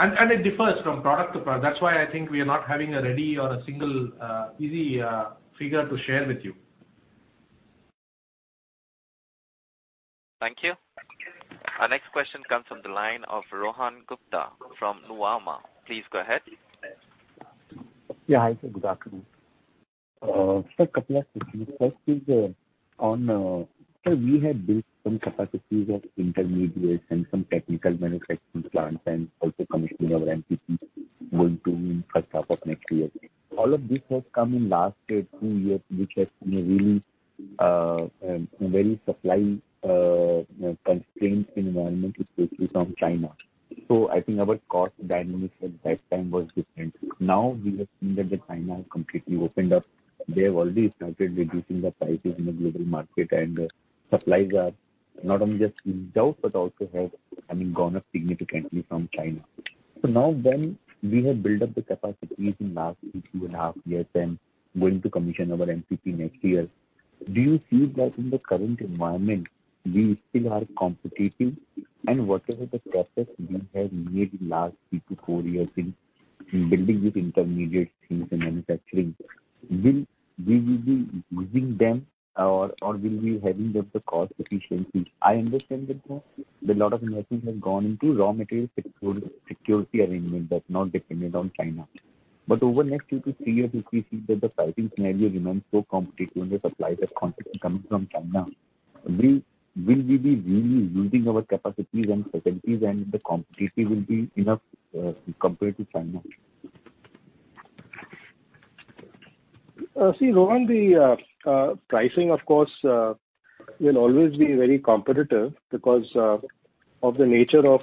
[SPEAKER 3] It differs from product to product. That's why I think we are not having a ready or a single easy figure to share with you.
[SPEAKER 1] Thank you. Our next question comes from the line of Rohan Gupta from Nuvama. Please go ahead.
[SPEAKER 21] Yeah, hi. Sir, good afternoon. Sir, couple of questions. First is, on... Sir, we have built some capacities of intermediates and some technical manufacturing plants and also commissioning of MPCs going to be in first half of next year. All of this has come in last two years, which has been a really, very supply, you know, constrained environment, especially from China. I think our cost dynamics at that time was different. Now we have seen that the China has completely opened up. They have already started reducing the prices in the global market and supplies are not only just in doubt, but also have, I mean, gone up significantly from China. Now when we have built up the capacities in last 2.5 years and going to commission our MPP next year, do you see that in the current environment, we still are competitive? Whatever the progress we have made in last three to four years in building these intermediate things and manufacturing, will we be losing them or will we having just the cost efficiency? I understand that a lot of investment has gone into raw material security arrangement that's not dependent on China. Over next two to three years, if we see that the pricing scenario remains so competitive and the supplies are constantly coming from China, will we be really using our capacities and facilities and the competitive will be enough compared to China?
[SPEAKER 3] See, Rohan, the pricing of course will always be very competitive because of the nature of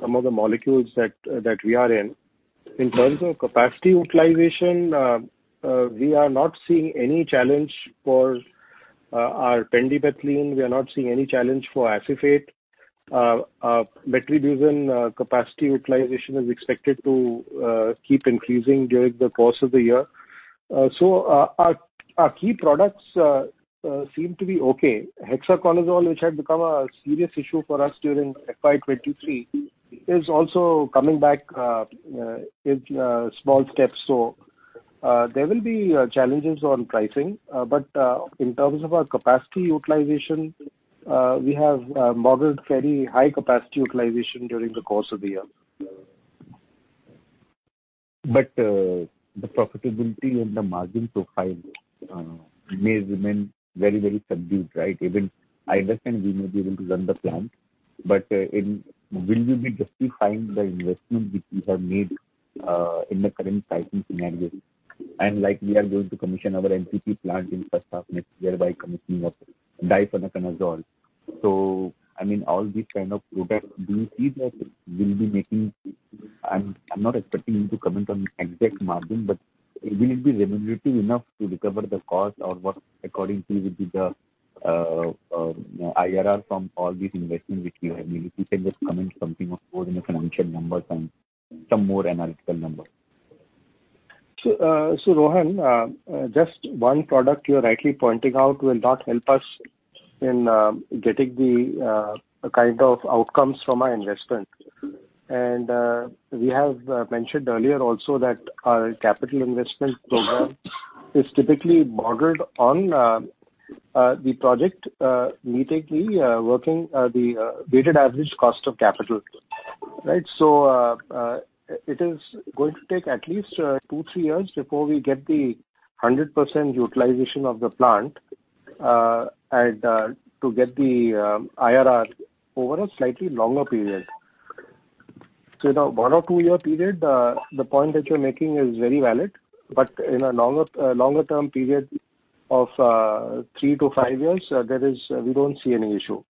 [SPEAKER 3] some of the molecules that we are in. In terms of capacity utilization, we are not seeing any challenge for our pendimethalin. We are not seeing any challenge for acephate. Our metribuzin capacity utilization is expected to keep increasing during the course of the year. Our key products seem to be okay. hexaconazole, which had become a serious issue for us during FY 2023, is also coming back in small steps. There will be challenges on pricing. But in terms of our capacity utilization, we have modeled very high capacity utilization during the course of the year.
[SPEAKER 21] The profitability and the margin profile may remain very, very subdued, right? Even I understand we may be able to run the plant, but will we be justifying the investment which we have made in the current pricing scenario? Like we are going to commission our MPP plant in first half next year by commissioning of difenoconazole. I mean, all these kind of products, do you see that we'll be making? I'm not expecting you to comment on exact margin, but will it be remunerative enough to recover the cost or what according to you would be the IRR from all these investments which you have made? If you can just comment something more than a financial number and some more analytical number.
[SPEAKER 3] Rohan, just one product you're rightly pointing out will not help us in getting the kind of outcomes from our investment. We have mentioned earlier also that our capital investment program is typically modeled on the project meeting the weighted average cost of capital. Right? It is going to take at least two, three years before we get the 100% utilization of the plant and to get the IRR over a slightly longer period. In a 1 or 2-year period, the point that you're making is very valid. In a longer term period of three to five years, we don't see any issue.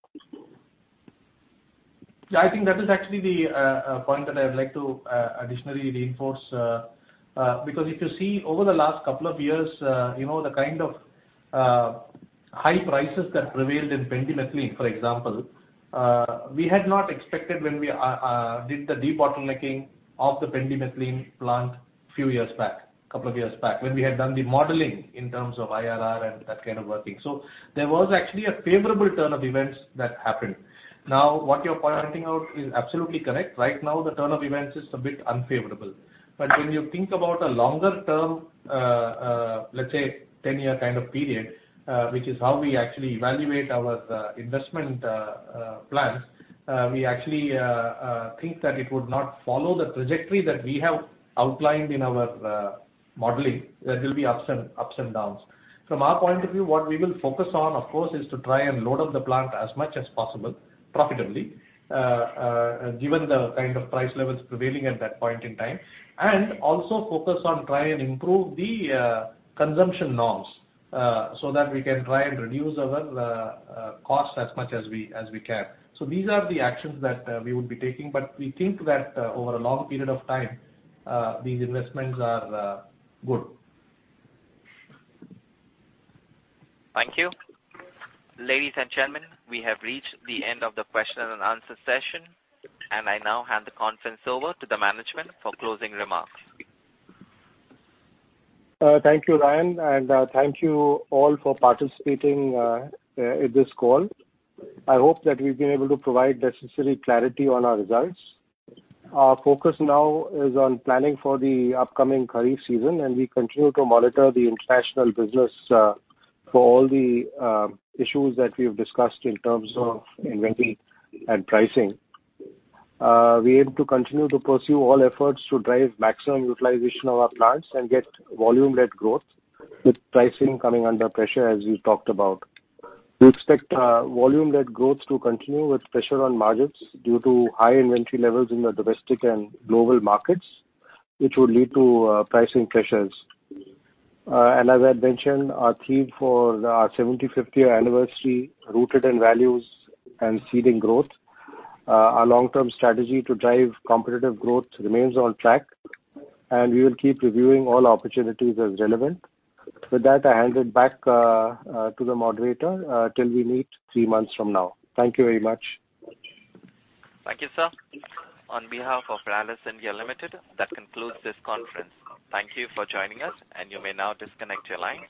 [SPEAKER 6] Yeah, I think that is actually the point that I would like to additionally reinforce. Because if you see over the last couple of years, you know, the kind of high prices that prevailed in pendimethalin, for example, we had not expected when we did the debottlenecking of the pendimethalin plant few years back, couple of years back, when we had done the modeling in terms of IRR and that kind of working. There was actually a favorable turn of events that happened. What you're pointing out is absolutely correct. Right now, the turn of events is a bit unfavorable. When you think about a longer term, let's say 10-year kind of period, which is how we actually evaluate our investment plans, we actually think that it would not follow the trajectory that we have outlined in our modeling. There will be ups and downs. From our point of view, what we will focus on, of course, is to try and load up the plant as much as possible profitably, given the kind of price levels prevailing at that point in time, and also focus on try and improve the consumption norms so that we can try and reduce our costs as much as we can. These are the actions that we would be taking. We think that over a long period of time, these investments are good.
[SPEAKER 21] Thank you.
[SPEAKER 3] Ladies and gentlemen, we have reached the end of the question and answer session. I now hand the conference over to the management for closing remarks. Thank you, Ryan, and thank you all for participating in this call. I hope that we've been able to provide necessary clarity on our results. Our focus now is on planning for the upcoming kharif season. We continue to monitor the international business for all the issues that we've discussed in terms of inventory and pricing. We aim to continue to pursue all efforts to drive maximum utilization of our plants and get volume-led growth with pricing coming under pressure as we talked about. We expect volume-led growth to continue with pressure on margins due to high inventory levels in the domestic and global markets, which will lead to pricing pressures. As I mentioned, our theme for our 75th year anniversary, Rooted in Values and Seeding Growth. Our long-term strategy to drive competitive growth remains on track, and we will keep reviewing all opportunities as relevant. With that, I hand it back to the moderator, till we meet three months from now. Thank you very much.
[SPEAKER 1] Thank you, sir. On behalf of Rallis India Limited, that concludes this conference. Thank you for joining us, and you may now disconnect your lines.